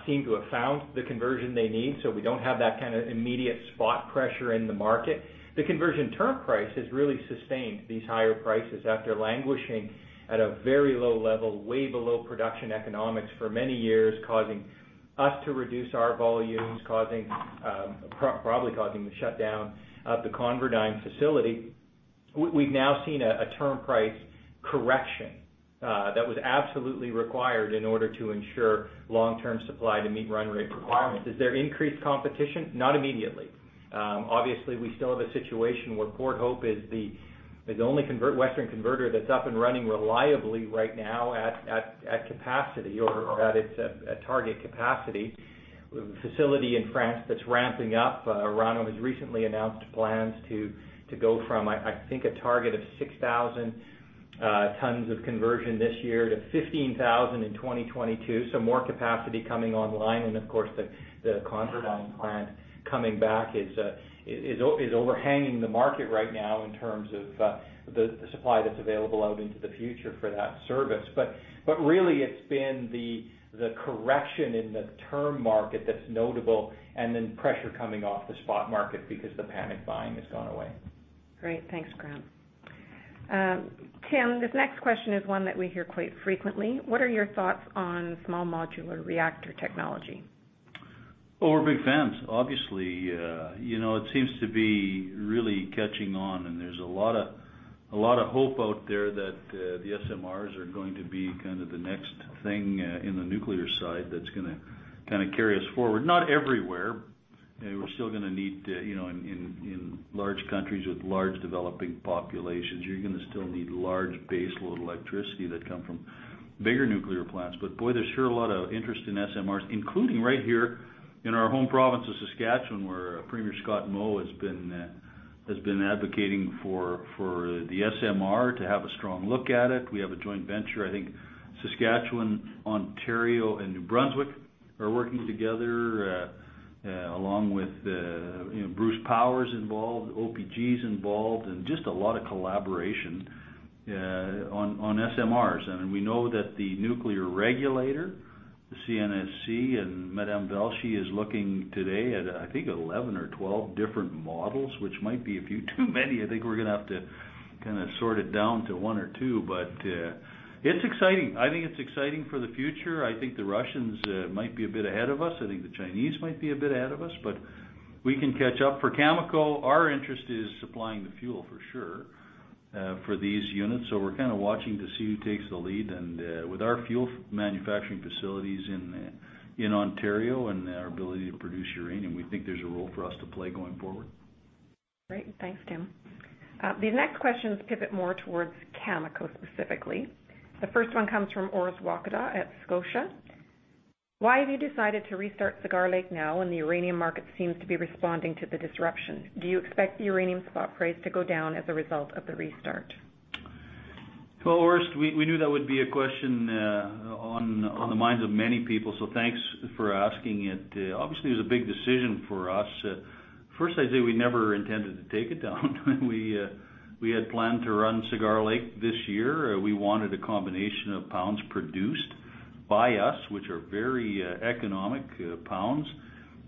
Speaker 4: seem to have found the conversion they need, so we don't have that kind of immediate spot pressure in the market. The conversion term price has really sustained these higher prices after languishing at a very low level, way below production economics for many years, causing us to reduce our volumes, probably causing the shutdown of the ConverDyn facility. We've now seen a term price correction that was absolutely required in order to ensure long-term supply to meet run rate requirements. Is there increased competition? Not immediately. Obviously, we still have a situation where Port Hope is the only Western converter that's up and running reliably right now at capacity or at its target capacity. With a facility in France that's ramping up. Orano has recently announced plans to go from, I think, a target of 6,000 tons of conversion this year to 15,000 in 2022. More capacity coming online and, of course, the ConverDyn plant coming back is overhanging the market right now in terms of the supply that's available out into the future for that service. Really, it's been the correction in the term market that's notable and then pressure coming off the spot market because the panic buying has gone away.
Speaker 2: Great. Thanks, Grant. Tim, this next question is one that we hear quite frequently. What are your thoughts on small modular reactor technology?
Speaker 3: Oh, we're big fans, obviously. It seems to be really catching on, and there's a lot of hope out there that the SMRs are going to be the next thing in the nuclear side that's going to carry us forward. Not everywhere. We're still going to need. In large countries with large developing populations, you're going to still need large base load electricity that come from bigger nuclear plants. Boy, there's sure a lot of interest in SMRs, including right here in our home province of Saskatchewan, where Premier Scott Moe has been advocating for the SMR, to have a strong look at it. We have a joint venture. I think Saskatchewan, Ontario, and New Brunswick are working together, along with Bruce Power's involved, OPG's involved, and just a lot of collaboration on SMRs. We know that the nuclear regulator, the CNSC, and Madame Velshi, is looking today at, I think, 11 or 12 different models, which might be a few too many. I think we're going to have to sort it down to one or two. It's exciting. I think it's exciting for the future. I think the Russians might be a bit ahead of us. I think the Chinese might be a bit ahead of us, but we can catch up. For Cameco, our interest is supplying the fuel for sure, for these units. We're kind of watching to see who takes the lead. With our fuel manufacturing facilities in Ontario and our ability to produce uranium, we think there's a role for us to play going forward.
Speaker 2: Great. Thanks, Tim. These next questions pivot more towards Cameco specifically. The first one comes from Orest Wowkodaw at Scotia. Why have you decided to restart Cigar Lake now when the uranium market seems to be responding to the disruption? Do you expect the uranium spot price to go down as a result of the restart?
Speaker 3: Well, Orest, we knew that would be a question on the minds of many people, so thanks for asking it. Obviously, it was a big decision for us. First, I'd say we never intended to take it down. We had planned to run Cigar Lake this year. We wanted a combination of pounds produced by us, which are very economic pounds,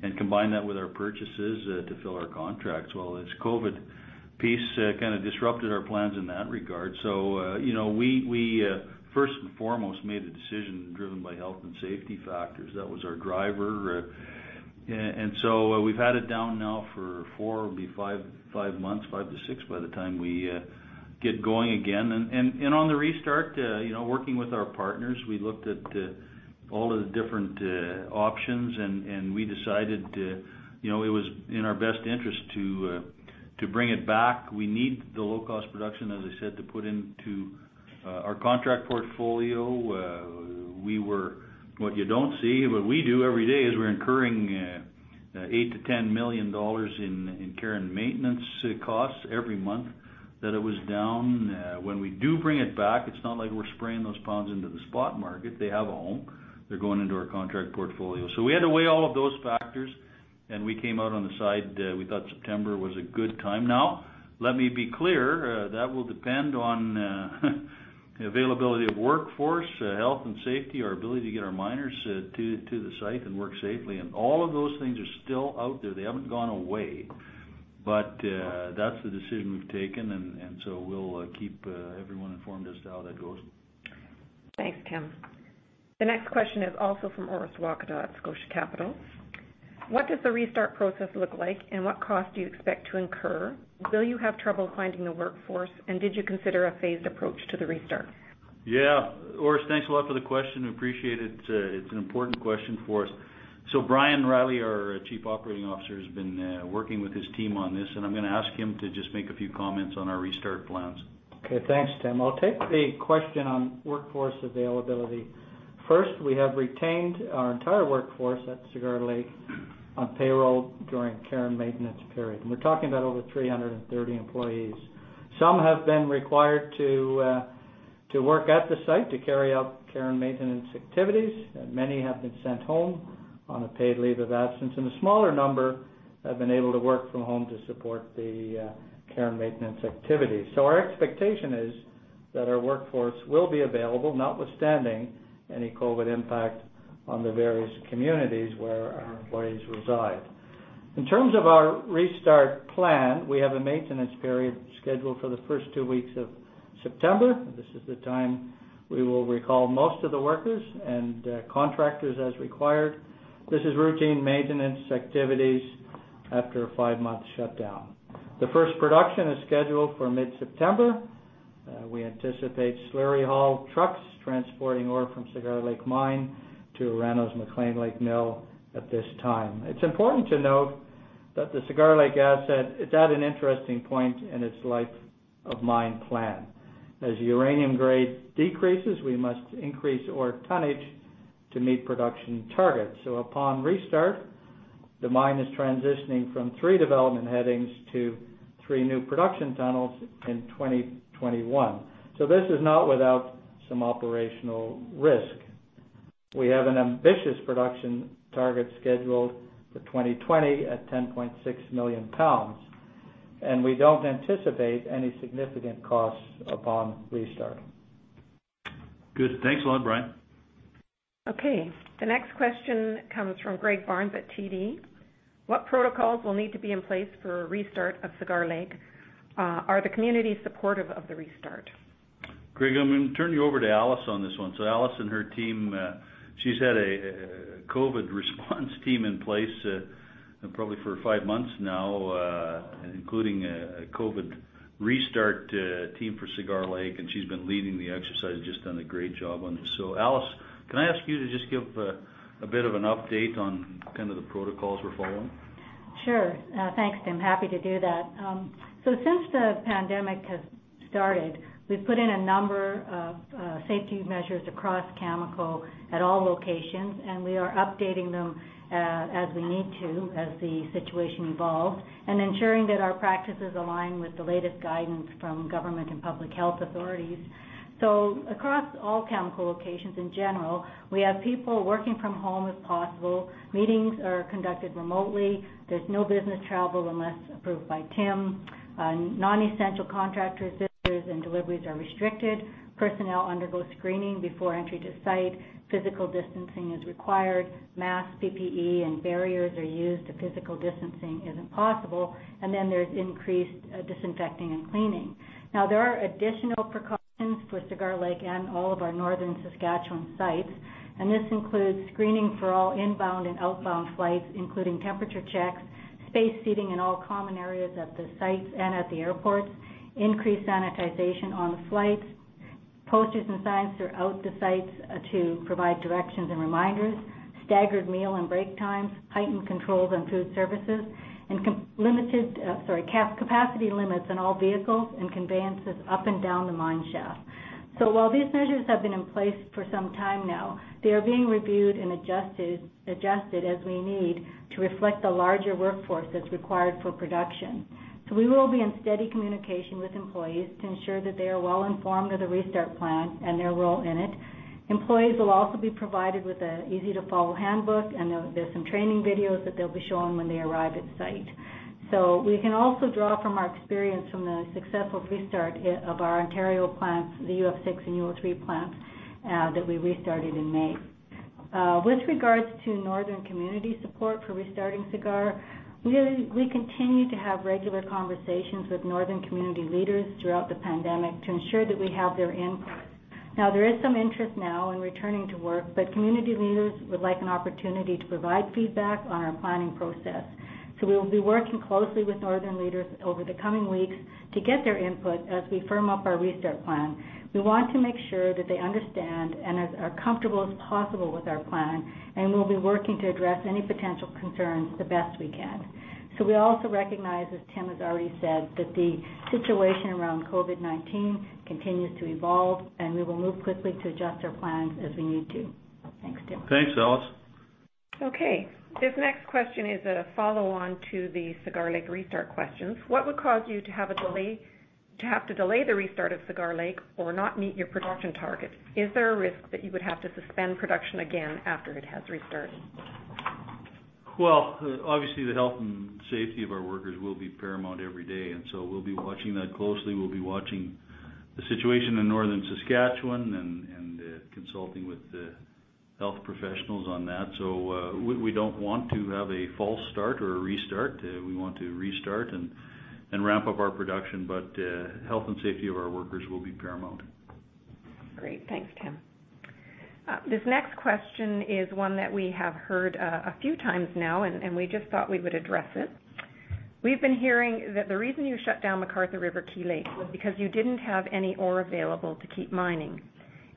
Speaker 3: and combine that with our purchases to fill our contracts. Well, this COVID piece kind of disrupted our plans in that regard. We first and foremost made the decision driven by health and safety factors. That was our driver. We've had it down now for four, it'll be five months, five to six by the time we get going again. On the restart, working with our partners, we looked at all of the different options and we decided it was in our best interest to bring it back. We need the low-cost production, as I said, to put into our contract portfolio. What you don't see but we do every day is we're incurring 8 million to 10 million dollars in care and maintenance costs every month that it was down. When we do bring it back, it's not like we're spraying those pounds into the spot market. They have a home. They're going into our contract portfolio. We had to weigh all of those factors, and we came out on the side, we thought September was a good time. Let me be clear, that will depend on the availability of workforce, health and safety, our ability to get our miners to the site and work safely, and all of those things are still out there. They haven't gone away. That's the decision we've taken, we'll keep everyone informed as to how that goes.
Speaker 2: Thanks, Tim. The next question is also from Orest Wowkodaw at Scotia Capital. What does the restart process look like, and what cost do you expect to incur? Will you have trouble finding the workforce, and did you consider a phased approach to the restart?
Speaker 3: Yeah. Orest, thanks a lot for the question. We appreciate it. It's an important question for us. Brian Reilly, our Chief Operating Officer, has been working with his team on this, and I'm going to ask him to just make a few comments on our restart plans.
Speaker 6: Okay. Thanks, Tim. I'll take the question on workforce availability. First, we have retained our entire workforce at Cigar Lake on payroll during care and maintenance period. We are talking about over 330 employees. Some have been required to work at the site to carry out care and maintenance activities. Many have been sent home on a paid leave of absence, and a smaller number have been able to work from home to support the care and maintenance activities. Our expectation is that our workforce will be available, notwithstanding any COVID impact on the various communities where our employees reside. In terms of our restart plan, we have a maintenance period scheduled for the first two weeks of September. This is the time we will recall most of the workers and contractors as required. This is routine maintenance activities after a five-month shutdown. The first production is scheduled for mid-September. We anticipate slurry haul trucks transporting ore from Cigar Lake mine to Orano's McClean Lake mill at this time. It's important to note that the Cigar Lake asset is at an interesting point in its life of mine plan. As uranium grade decreases, we must increase ore tonnage to meet production targets. Upon restart, the mine is transitioning from three development headings to three new production tunnels in 2021. This is not without some operational risk. We have an ambitious production target scheduled for 2020 at 10.6 million pounds, and we don't anticipate any significant costs upon restart.
Speaker 3: Good. Thanks a lot, Brian.
Speaker 2: Okay. The next question comes from Greg Barnes at TD. What protocols will need to be in place for a restart of Cigar Lake? Are the communities supportive of the restart?
Speaker 3: Greg, I'm going to turn you over to Alice on this one. Alice and her team, she's had a COVID response team in place probably for five months now, including a COVID restart team for Cigar Lake, and she's been leading the exercise, just done a great job on this. Alice, can I ask you to just give a bit of an update on kind of the protocols we're following?
Speaker 7: Sure. Thanks, Tim. Happy to do that. Since the pandemic has started, we've put in a number of safety measures across Cameco at all locations, and we are updating them as we need to, as the situation evolves, and ensuring that our practices align with the latest guidance from government and public health authorities. Across all Cameco locations in general, we have people working from home if possible. Meetings are conducted remotely. There's no business travel unless approved by Tim. Non-essential contractor visits and deliveries are restricted. Personnel undergo screening before entry to site. Physical distancing is required. Masks, PPE, and barriers are used if physical distancing isn't possible, and then there's increased disinfecting and cleaning. There are additional precautions for Cigar Lake and all of our northern Saskatchewan sites, and this includes screening for all inbound and outbound flights, including temperature checks, spaced seating in all common areas at the sites and at the airports, increased sanitization on the flights, posters and signs throughout the sites to provide directions and reminders, staggered meal and break times, heightened controls on food services, and capacity limits on all vehicles and conveyances up and down the mine shaft. While these measures have been in place for some time now, they are being reviewed and adjusted as we need to reflect the larger workforce that's required for production. We will be in steady communication with employees to ensure that they are well informed of the restart plan and their role in it. Employees will also be provided with an easy-to-follow handbook, and there's some training videos that they'll be shown when they arrive at site. We can also draw from our experience from the successful restart of our Ontario plants, the UF6 and UO3 plants, that we restarted in May. With regards to northern community support for restarting Cigar, we continue to have regular conversations with northern community leaders throughout the pandemic to ensure that we have their input. There is some interest now in returning to work, but community leaders would like an opportunity to provide feedback on our planning process. We will be working closely with northern leaders over the coming weeks to get their input as we firm up our restart plan. We want to make sure that they understand and are as comfortable as possible with our plan, and we'll be working to address any potential concerns the best we can. We also recognize, as Tim has already said, that the situation around COVID-19 continues to evolve, and we will move quickly to adjust our plans as we need to. Thanks, Tim.
Speaker 3: Thanks, Alice.
Speaker 2: Okay. This next question is a follow-on to the Cigar Lake restart questions. What would cause you to have to delay the restart of Cigar Lake or not meet your production targets? Is there a risk that you would have to suspend production again after it has restarted?
Speaker 3: Obviously the health and safety of our workers will be paramount every day. We'll be watching that closely. We'll be watching the situation in Northern Saskatchewan and consulting with the health professionals on that. We don't want to have a false start or a restart. We want to restart and ramp up our production, but health and safety of our workers will be paramount.
Speaker 2: Great. Thanks, Tim. This next question is one that we have heard a few times now, and we just thought we would address it. We've been hearing that the reason you shut down McArthur River/Key Lake was because you didn't have any ore available to keep mining.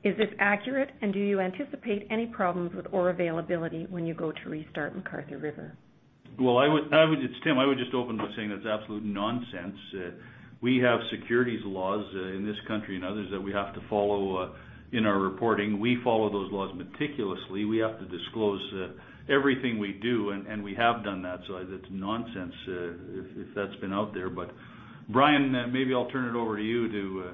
Speaker 2: Is this accurate, and do you anticipate any problems with ore availability when you go to restart McArthur River?
Speaker 3: Well, it's Tim. I would just open by saying that's absolute nonsense. We have securities laws in this country and others that we have to follow in our reporting. We follow those laws meticulously. We have to disclose everything we do, and we have done that. That's nonsense if that's been out there but Brian, maybe I'll turn it over to you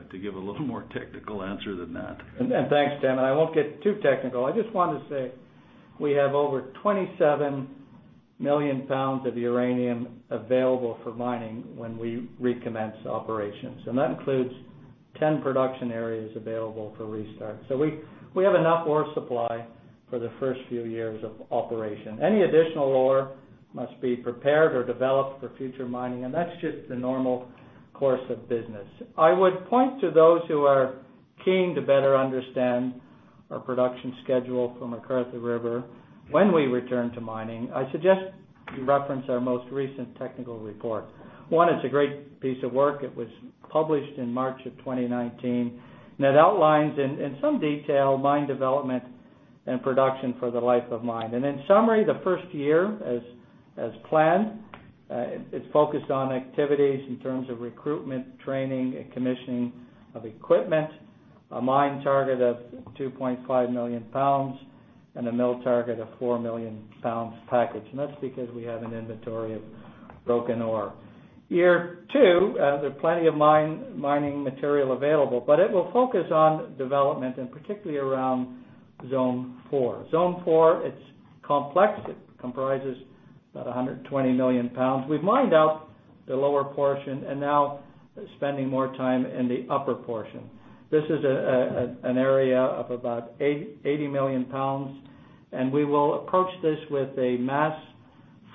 Speaker 3: to give a little more technical answer than that.
Speaker 6: Thanks, Tim. I won't get too technical. I just wanted to say we have over 27 million pounds of uranium available for mining when we recommence operations. That includes 10 production areas available for restart. We have enough ore supply for the first few years of operation. Any additional ore must be prepared or developed for future mining. That's just the normal course of business. I would point to those who are keen to better understand our production schedule for McArthur River when we return to mining, I suggest you reference our most recent technical report. One, it's a great piece of work. It was published in March of 2019. It outlines in some detail mine development and production for the life of mine. In summary, the first year, as planned, is focused on activities in terms of recruitment, training, and commissioning of equipment, a mine target of 2.5 million pounds, and a mill target of 4 million pounds packaged, and that's because we have an inventory of broken ore. Year 2, there are plenty of mining material available, but it will focus on development and particularly around Zone 4. Zone 4, it's complex. It comprises about 120 million pounds. We've mined out the lower portion and now spending more time in the upper portion. This is an area of about 80 million pounds, and we will approach this with a mass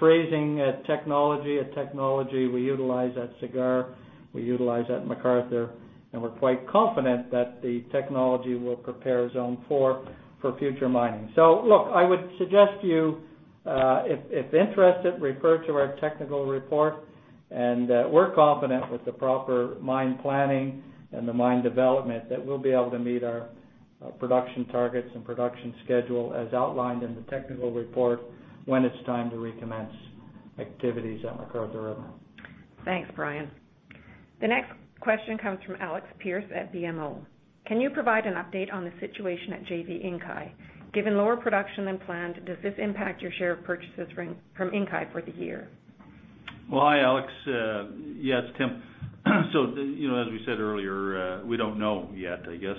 Speaker 6: freezing technology, a technology we utilize at Cigar, we utilize at McArthur, and we're quite confident that the technology will prepare Zone 4 for future mining. Look, I would suggest you, if interested, refer to our technical report. We're confident with the proper mine planning and the mine development, that we'll be able to meet our production targets and production schedule as outlined in the technical report when it's time to recommence activities at McArthur River.
Speaker 2: Thanks, Brian. The next question comes from Alex Pearce at BMO. Can you provide an update on the situation at JV Inkai? Given lower production than planned, does this impact your share of purchases from Inkai for the year?
Speaker 3: Well, hi Alex. Yeah, it's Tim. As we said earlier, we don't know yet. I guess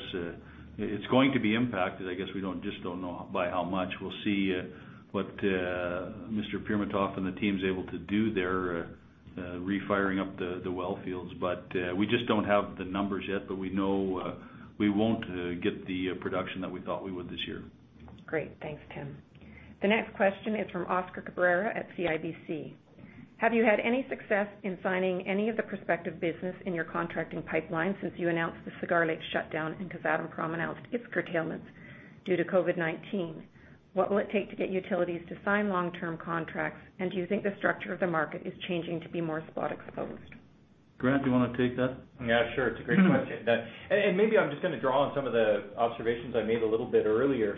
Speaker 3: it's going to be impacted. I guess we just don't know by how much. We'll see what Mr. Pirmatov and the team's able to do there, refiring up the wellfields. We just don't have the numbers yet, but we know we won't get the production that we thought we would this year.
Speaker 2: Great. Thanks, Tim. The next question is from Oscar Cabrera at CIBC. Have you had any success in signing any of the prospective business in your contracting pipeline since you announced the Cigar Lake shutdown and Kazatomprom announced its curtailments due to COVID-19? What will it take to get utilities to sign long-term contracts? Do you think the structure of the market is changing to be more spot exposed?
Speaker 3: Grant, do you want to take that?
Speaker 4: Yeah, sure. It's a great question. Maybe I'm just going to draw on some of the observations I made a little bit earlier.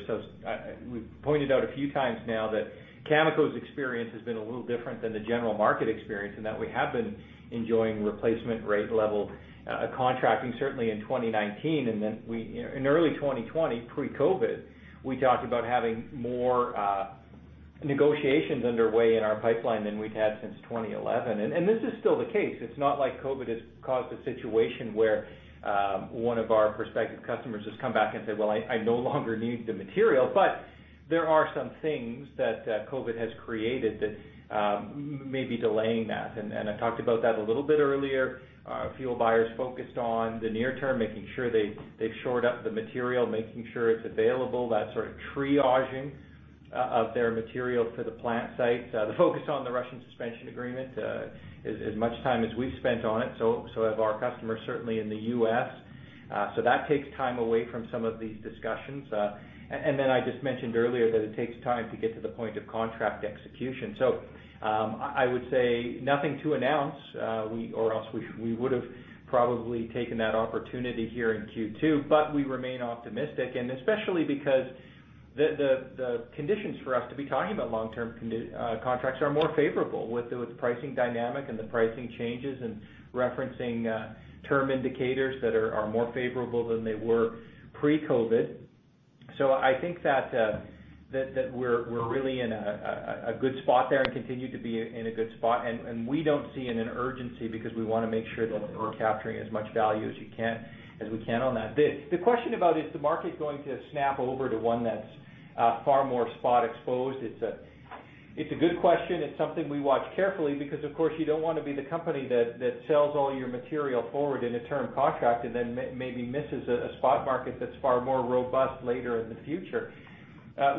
Speaker 4: We've pointed out a few times now that Cameco's experience has been a little different than the general market experience, in that we have been enjoying replacement rate level contracting, certainly in 2019. In early 2020, pre-COVID, we talked about having more negotiations underway in our pipeline than we'd had since 2011. This is still the case. It's not like COVID has caused a situation where one of our prospective customers has come back and said, "Well, I no longer need the material." There are some things that COVID has created that may be delaying that. I talked about that a little bit earlier. Fuel buyers focused on the near term, making sure they've shored up the material, making sure it's available, that sort of triaging of their material to the plant site. The focus on the Russian Suspension Agreement, as much time as we've spent on it, so have our customers, certainly in the U.S. That takes time away from some of these discussions. I just mentioned earlier that it takes time to get to the point of contract execution. I would say nothing to announce, or else we would've probably taken that opportunity here in Q2, but we remain optimistic and especially because the conditions for us to be talking about long-term contracts are more favorable with the pricing dynamic and the pricing changes and referencing term indicators that are more favorable than they were pre-COVID. I think that we're really in a good spot there and continue to be in a good spot, and we don't see an urgency because we want to make sure that we're capturing as much value as we can on that bid. The question about, is the market going to snap over to one that's far more spot exposed? It's a good question. It's something we watch carefully because of course you don't want to be the company that sells all your material forward in a term contract and then maybe misses a spot market that's far more robust later in the future.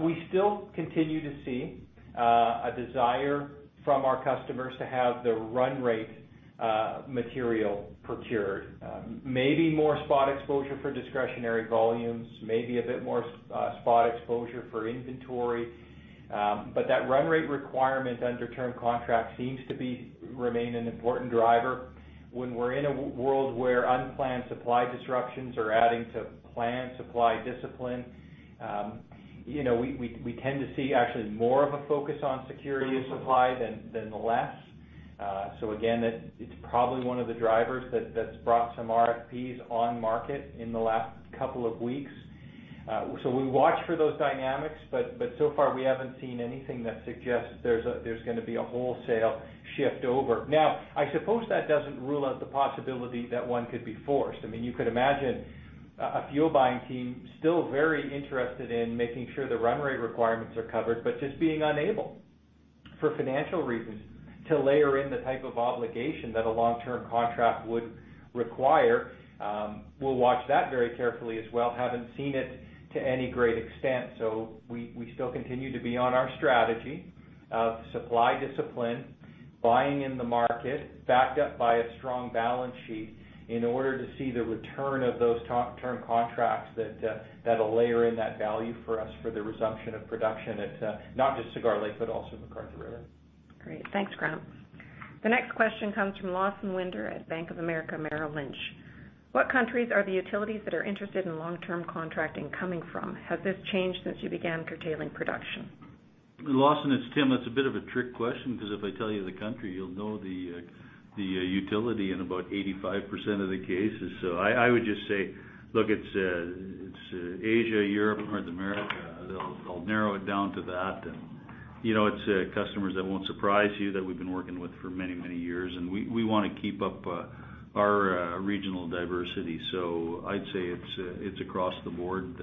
Speaker 4: We still continue to see a desire from our customers to have the run rate material procured. Maybe more spot exposure for discretionary volumes, maybe a bit more spot exposure for inventory. That run rate requirement under term contract seems to remain an important driver when we're in a world where unplanned supply disruptions are adding to planned supply discipline. We tend to see actually more of a focus on security of supply than less. Again, it's probably one of the drivers that's brought some RFPs on market in the last couple of weeks. We watch for those dynamics, so far we haven't seen anything that suggests there's going to be a wholesale shift over. I suppose that doesn't rule out the possibility that one could be forced. I mean, you could imagine a fuel buying team still very interested in making sure the run rate requirements are covered, but just being unable, for financial reasons, to layer in the type of obligation that a long-term contract would require. We'll watch that very carefully as well. Haven't seen it to any great extent. We still continue to be on our strategy of supply discipline, buying in the market, backed up by a strong balance sheet in order to see the return of those term contracts that'll layer in that value for us for the resumption of production at not just Cigar Lake, but also McArthur River.
Speaker 2: Great. Thanks, Grant. The next question comes from Lawson Winder at Bank of America Merrill Lynch. What countries are the utilities that are interested in long-term contracting coming from? Has this changed since you began curtailing production?
Speaker 3: Lawson, it's Tim. That's a bit of a trick question because if I tell you the country, you'll know the utility in about 85% of the cases. I would just say, look, it's Asia, Europe, North America. I'll narrow it down to that. It's customers that won't surprise you, that we've been working with for many, many years, and we want to keep up our regional diversity. I'd say it's across the board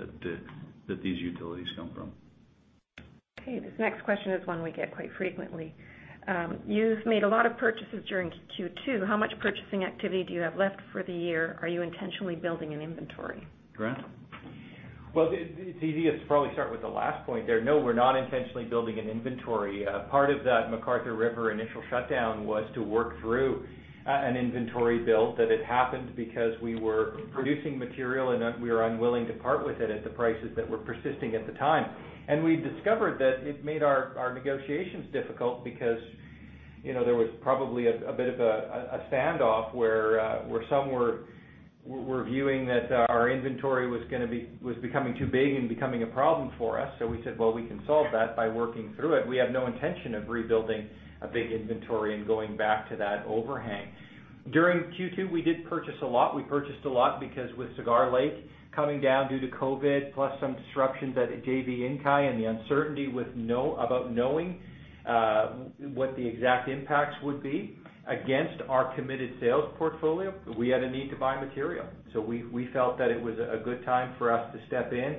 Speaker 3: that these utilities come from.
Speaker 2: Okay. This next question is one we get quite frequently. You've made a lot of purchases during Q2. How much purchasing activity do you have left for the year? Are you intentionally building an inventory?
Speaker 3: Grant?
Speaker 4: Well, it's easiest to probably start with the last point there. No, we're not intentionally building an inventory. Part of that McArthur River initial shutdown was to work through an inventory build that had happened because we were producing material, and we were unwilling to part with it at the prices that were persisting at the time. We discovered that it made our negotiations difficult because there was probably a bit of a standoff where some were viewing that our inventory was becoming too big and becoming a problem for us. We said, "Well, we can solve that by working through it." We have no intention of rebuilding a big inventory and going back to that overhang. During Q2, we did purchase a lot. We purchased a lot because with Cigar Lake coming down due to COVID-19, plus some disruptions at JV Inkai and the uncertainty about knowing what the exact impacts would be against our committed sales portfolio, we had a need to buy material. We felt that it was a good time for us to step in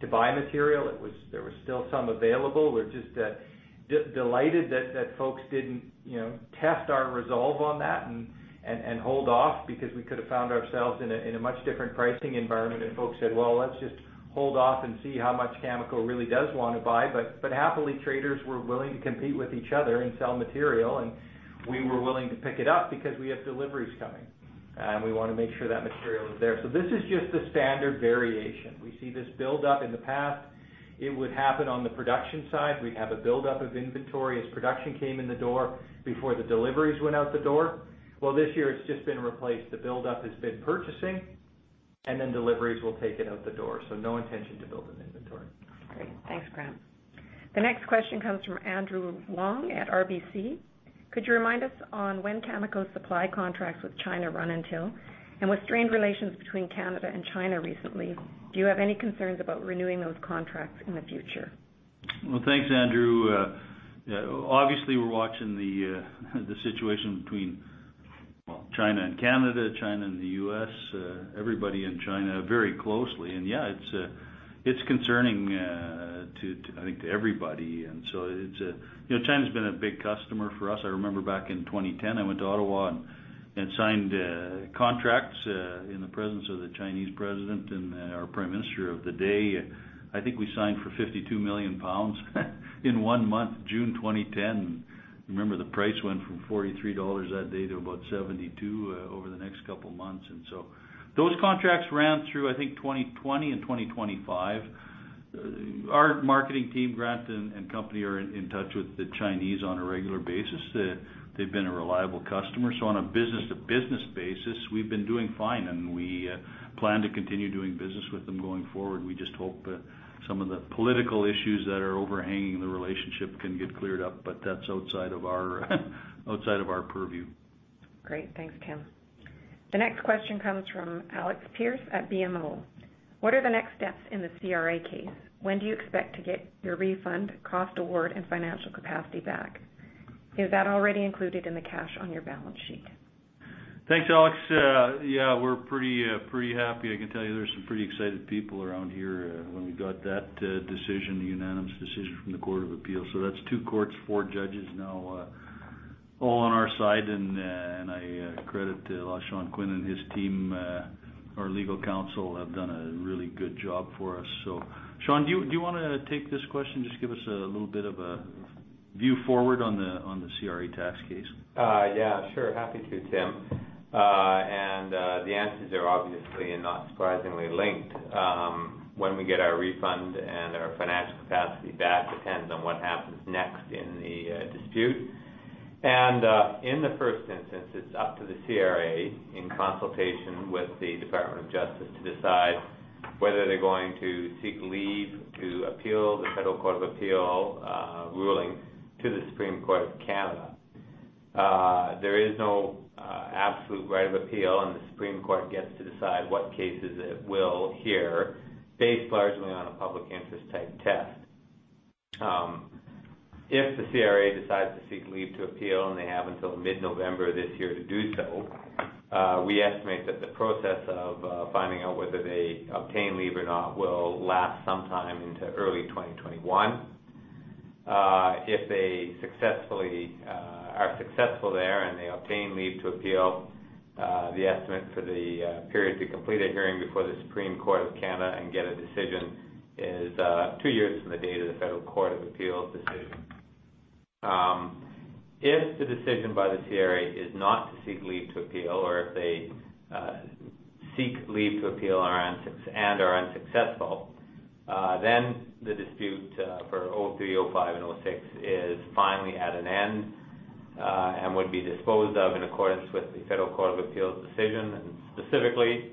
Speaker 4: to buy material. There was still some available. We're just delighted that folks didn't test our resolve on that and hold off because we could have found ourselves in a much different pricing environment if folks said, "Well, let's just hold off and see how much Cameco really does want to buy." Happily, traders were willing to compete with each other and sell material, and we were willing to pick it up because we have deliveries coming. We want to make sure that material is there. This is just the standard variation. We see this buildup. In the past, it would happen on the production side. We'd have a buildup of inventory as production came in the door before the deliveries went out the door. This year it's just been replaced. The buildup has been purchasing, and then deliveries will take it out the door. No intention to build an inventory.
Speaker 2: Great. Thanks, Grant. The next question comes from Andrew Wong at RBC. Could you remind us on when Cameco's supply contracts with China run until? With strained relations between Canada and China recently, do you have any concerns about renewing those contracts in the future?
Speaker 3: Thanks, Andrew. Obviously, we're watching the situation between China and Canada, China and the U.S., everybody and China, very closely. Yeah, it's concerning, I think, to everybody. China's been a big customer for us. I remember back in 2010, I went to Ottawa and signed contracts in the presence of the Chinese President and our Prime Minister of the day. I think we signed for 52 million pounds in one month, June 2010. Remember, the price went from 43 dollars that day to about 72 over the next couple of months. Those contracts ran through, I think, 2020 and 2025. Our marketing team, Grant and company, are in touch with the Chinese on a regular basis. They've been a reliable customer. On a business-to-business basis, we've been doing fine, and we plan to continue doing business with them going forward. We just hope that some of the political issues that are overhanging the relationship can get cleared up, but that's outside of our purview.
Speaker 2: Great. Thanks, Tim. The next question comes from Alex Pearce at BMO. What are the next steps in the CRA case? When do you expect to get your refund, cost award, and financial capacity back? Is that already included in the cash on your balance sheet?
Speaker 3: Thanks, Alex. Yeah, we're pretty happy. I can tell you there's some pretty excited people around here when we got that decision, the unanimous decision from the Court of Appeals. That's two courts, four judges now all on our side, and I credit Sean Quinn and his team, our legal counsel, have done a really good job for us. Sean, do you wanna take this question? Just give us a little bit of a view forward on the CRA tax case.
Speaker 5: Yeah. Sure. Happy to, Tim. The answers are obviously and not surprisingly linked. When we get our refund and our financial capacity back depends on what happens next in the dispute. In the first instance, it's up to the CRA in consultation with the Department of Justice to decide whether they're going to seek leave to appeal the Federal Court of Appeal ruling to the Supreme Court of Canada. There is no absolute right of appeal, and the Supreme Court gets to decide what cases it will hear based largely on a public interest-type test. If the CRA decides to seek leave to appeal, and they have until mid-November this year to do so, we estimate that the process of finding out whether they obtain leave or not will last sometime into early 2021. If they are successful there and they obtain leave to appeal, the estimate for the period to complete a hearing before the Supreme Court of Canada and get a decision is two years from the date of the Federal Court of Appeal decision. If the decision by the CRA is not to seek leave to appeal, or if they seek leave to appeal and are unsuccessful, then the dispute for 2003, 2005, and 2006 is finally at an end and would be disposed of in accordance with the Federal Court of Appeal decision. Specifically,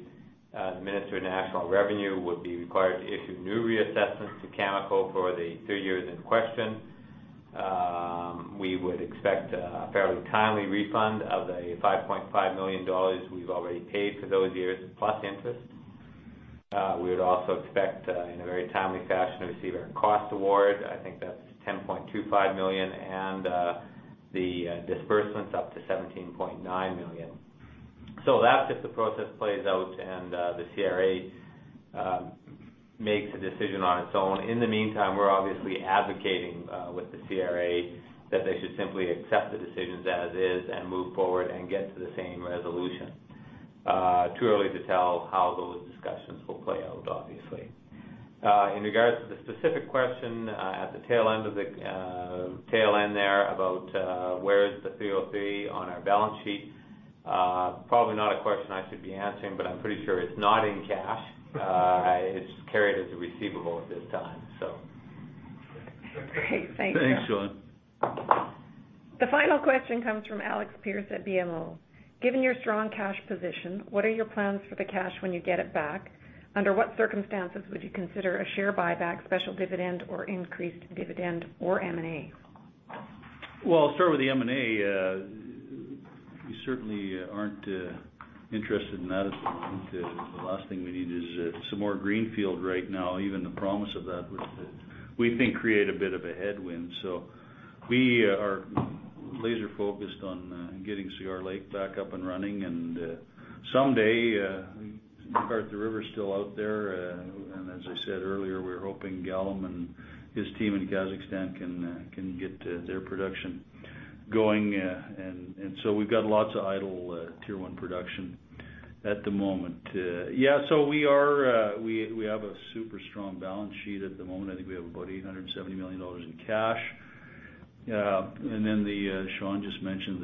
Speaker 5: the Minister of National Revenue would be required to issue new reassessments to Cameco for the two years in question. We would expect a fairly timely refund of the 5.5 million dollars we've already paid for those years, plus interest. We would also expect, in a very timely fashion, to receive our cost award. I think that's 10.25 million, and the disbursements up to 17.9 million. That's if the process plays out and the CRA makes a decision on its own. In the meantime, we're obviously advocating with the CRA that they should simply accept the decisions as is and move forward and get to the same. Too early to tell how those discussions will play out, obviously. In regards to the specific question at the tail end there about where is the 303 on our balance sheet? Probably not a question I should be answering, I'm pretty sure it's not in cash. It's carried as a receivable at this time.
Speaker 2: Great. Thanks.
Speaker 3: Thanks, Sean.
Speaker 2: The final question comes from Alex Pearce at BMO. Given your strong cash position, what are your plans for the cash when you get it back? Under what circumstances would you consider a share buyback, special dividend, or increased dividend or M&A?
Speaker 3: I'll start with the M&A. We certainly aren't interested in that at the moment. The last thing we need is some more greenfield right now. Even the promise of that would, we think, create a bit of a headwind. We are laser focused on getting Cigar Lake back up and running. Someday, McArthur River is still out there. As I said earlier, we're hoping Galym and his team in Kazakhstan can get their production going. We've got lots of idle Tier 1 production at the moment. We have a super strong balance sheet at the moment. I think we have about 870 million dollars in cash. Sean just mentioned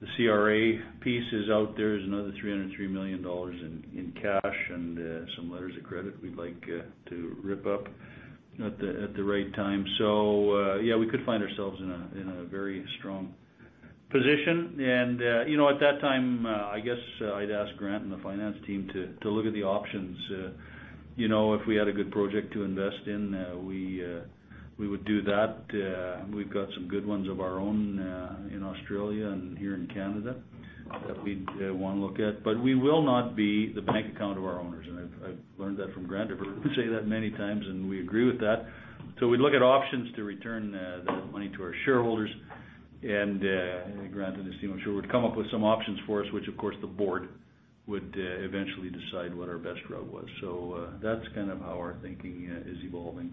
Speaker 3: the CRA piece is out there, is another 303 million dollars in cash and some letters of credit we'd like to rip up at the right time. We could find ourselves in a very strong position. At that time, I guess I'd ask Grant and the finance team to look at the options. If we had a good project to invest in, we would do that. We've got some good ones of our own in Australia and here in Canada that we'd want to look at. We will not be the bank account of our owners. I've learned that from Grant. I've heard him say that many times, and we agree with that. We'd look at options to return that money to our shareholders. Grant and his team, I'm sure, would come up with some options for us, which, of course, the Board would eventually decide what our best route was. That's kind of how our thinking is evolving.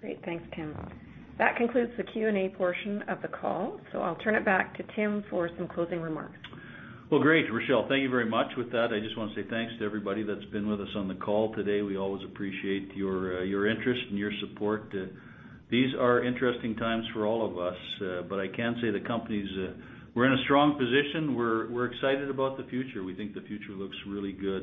Speaker 2: Great. Thanks, Tim. That concludes the Q&A portion of the call. I'll turn it back to Tim for some closing remarks.
Speaker 3: Great, Rachelle. Thank you very much. With that, I just want to say thanks to everybody that's been with us on the call today. We always appreciate your interest and your support. These are interesting times for all of us. I can say the company's, we're in a strong position. We're excited about the future. We think the future looks really good.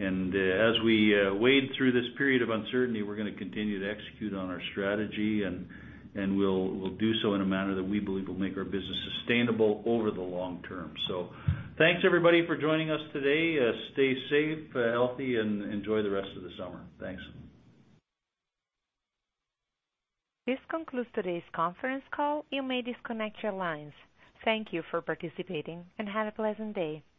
Speaker 3: As we wade through this period of uncertainty, we're going to continue to execute on our strategy, and we'll do so in a manner that we believe will make our business sustainable over the long term. Thanks everybody for joining us today. Stay safe, healthy, and enjoy the rest of the summer. Thanks.
Speaker 1: This concludes today's conference call. You may disconnect your lines. Thank you for participating and have a pleasant day.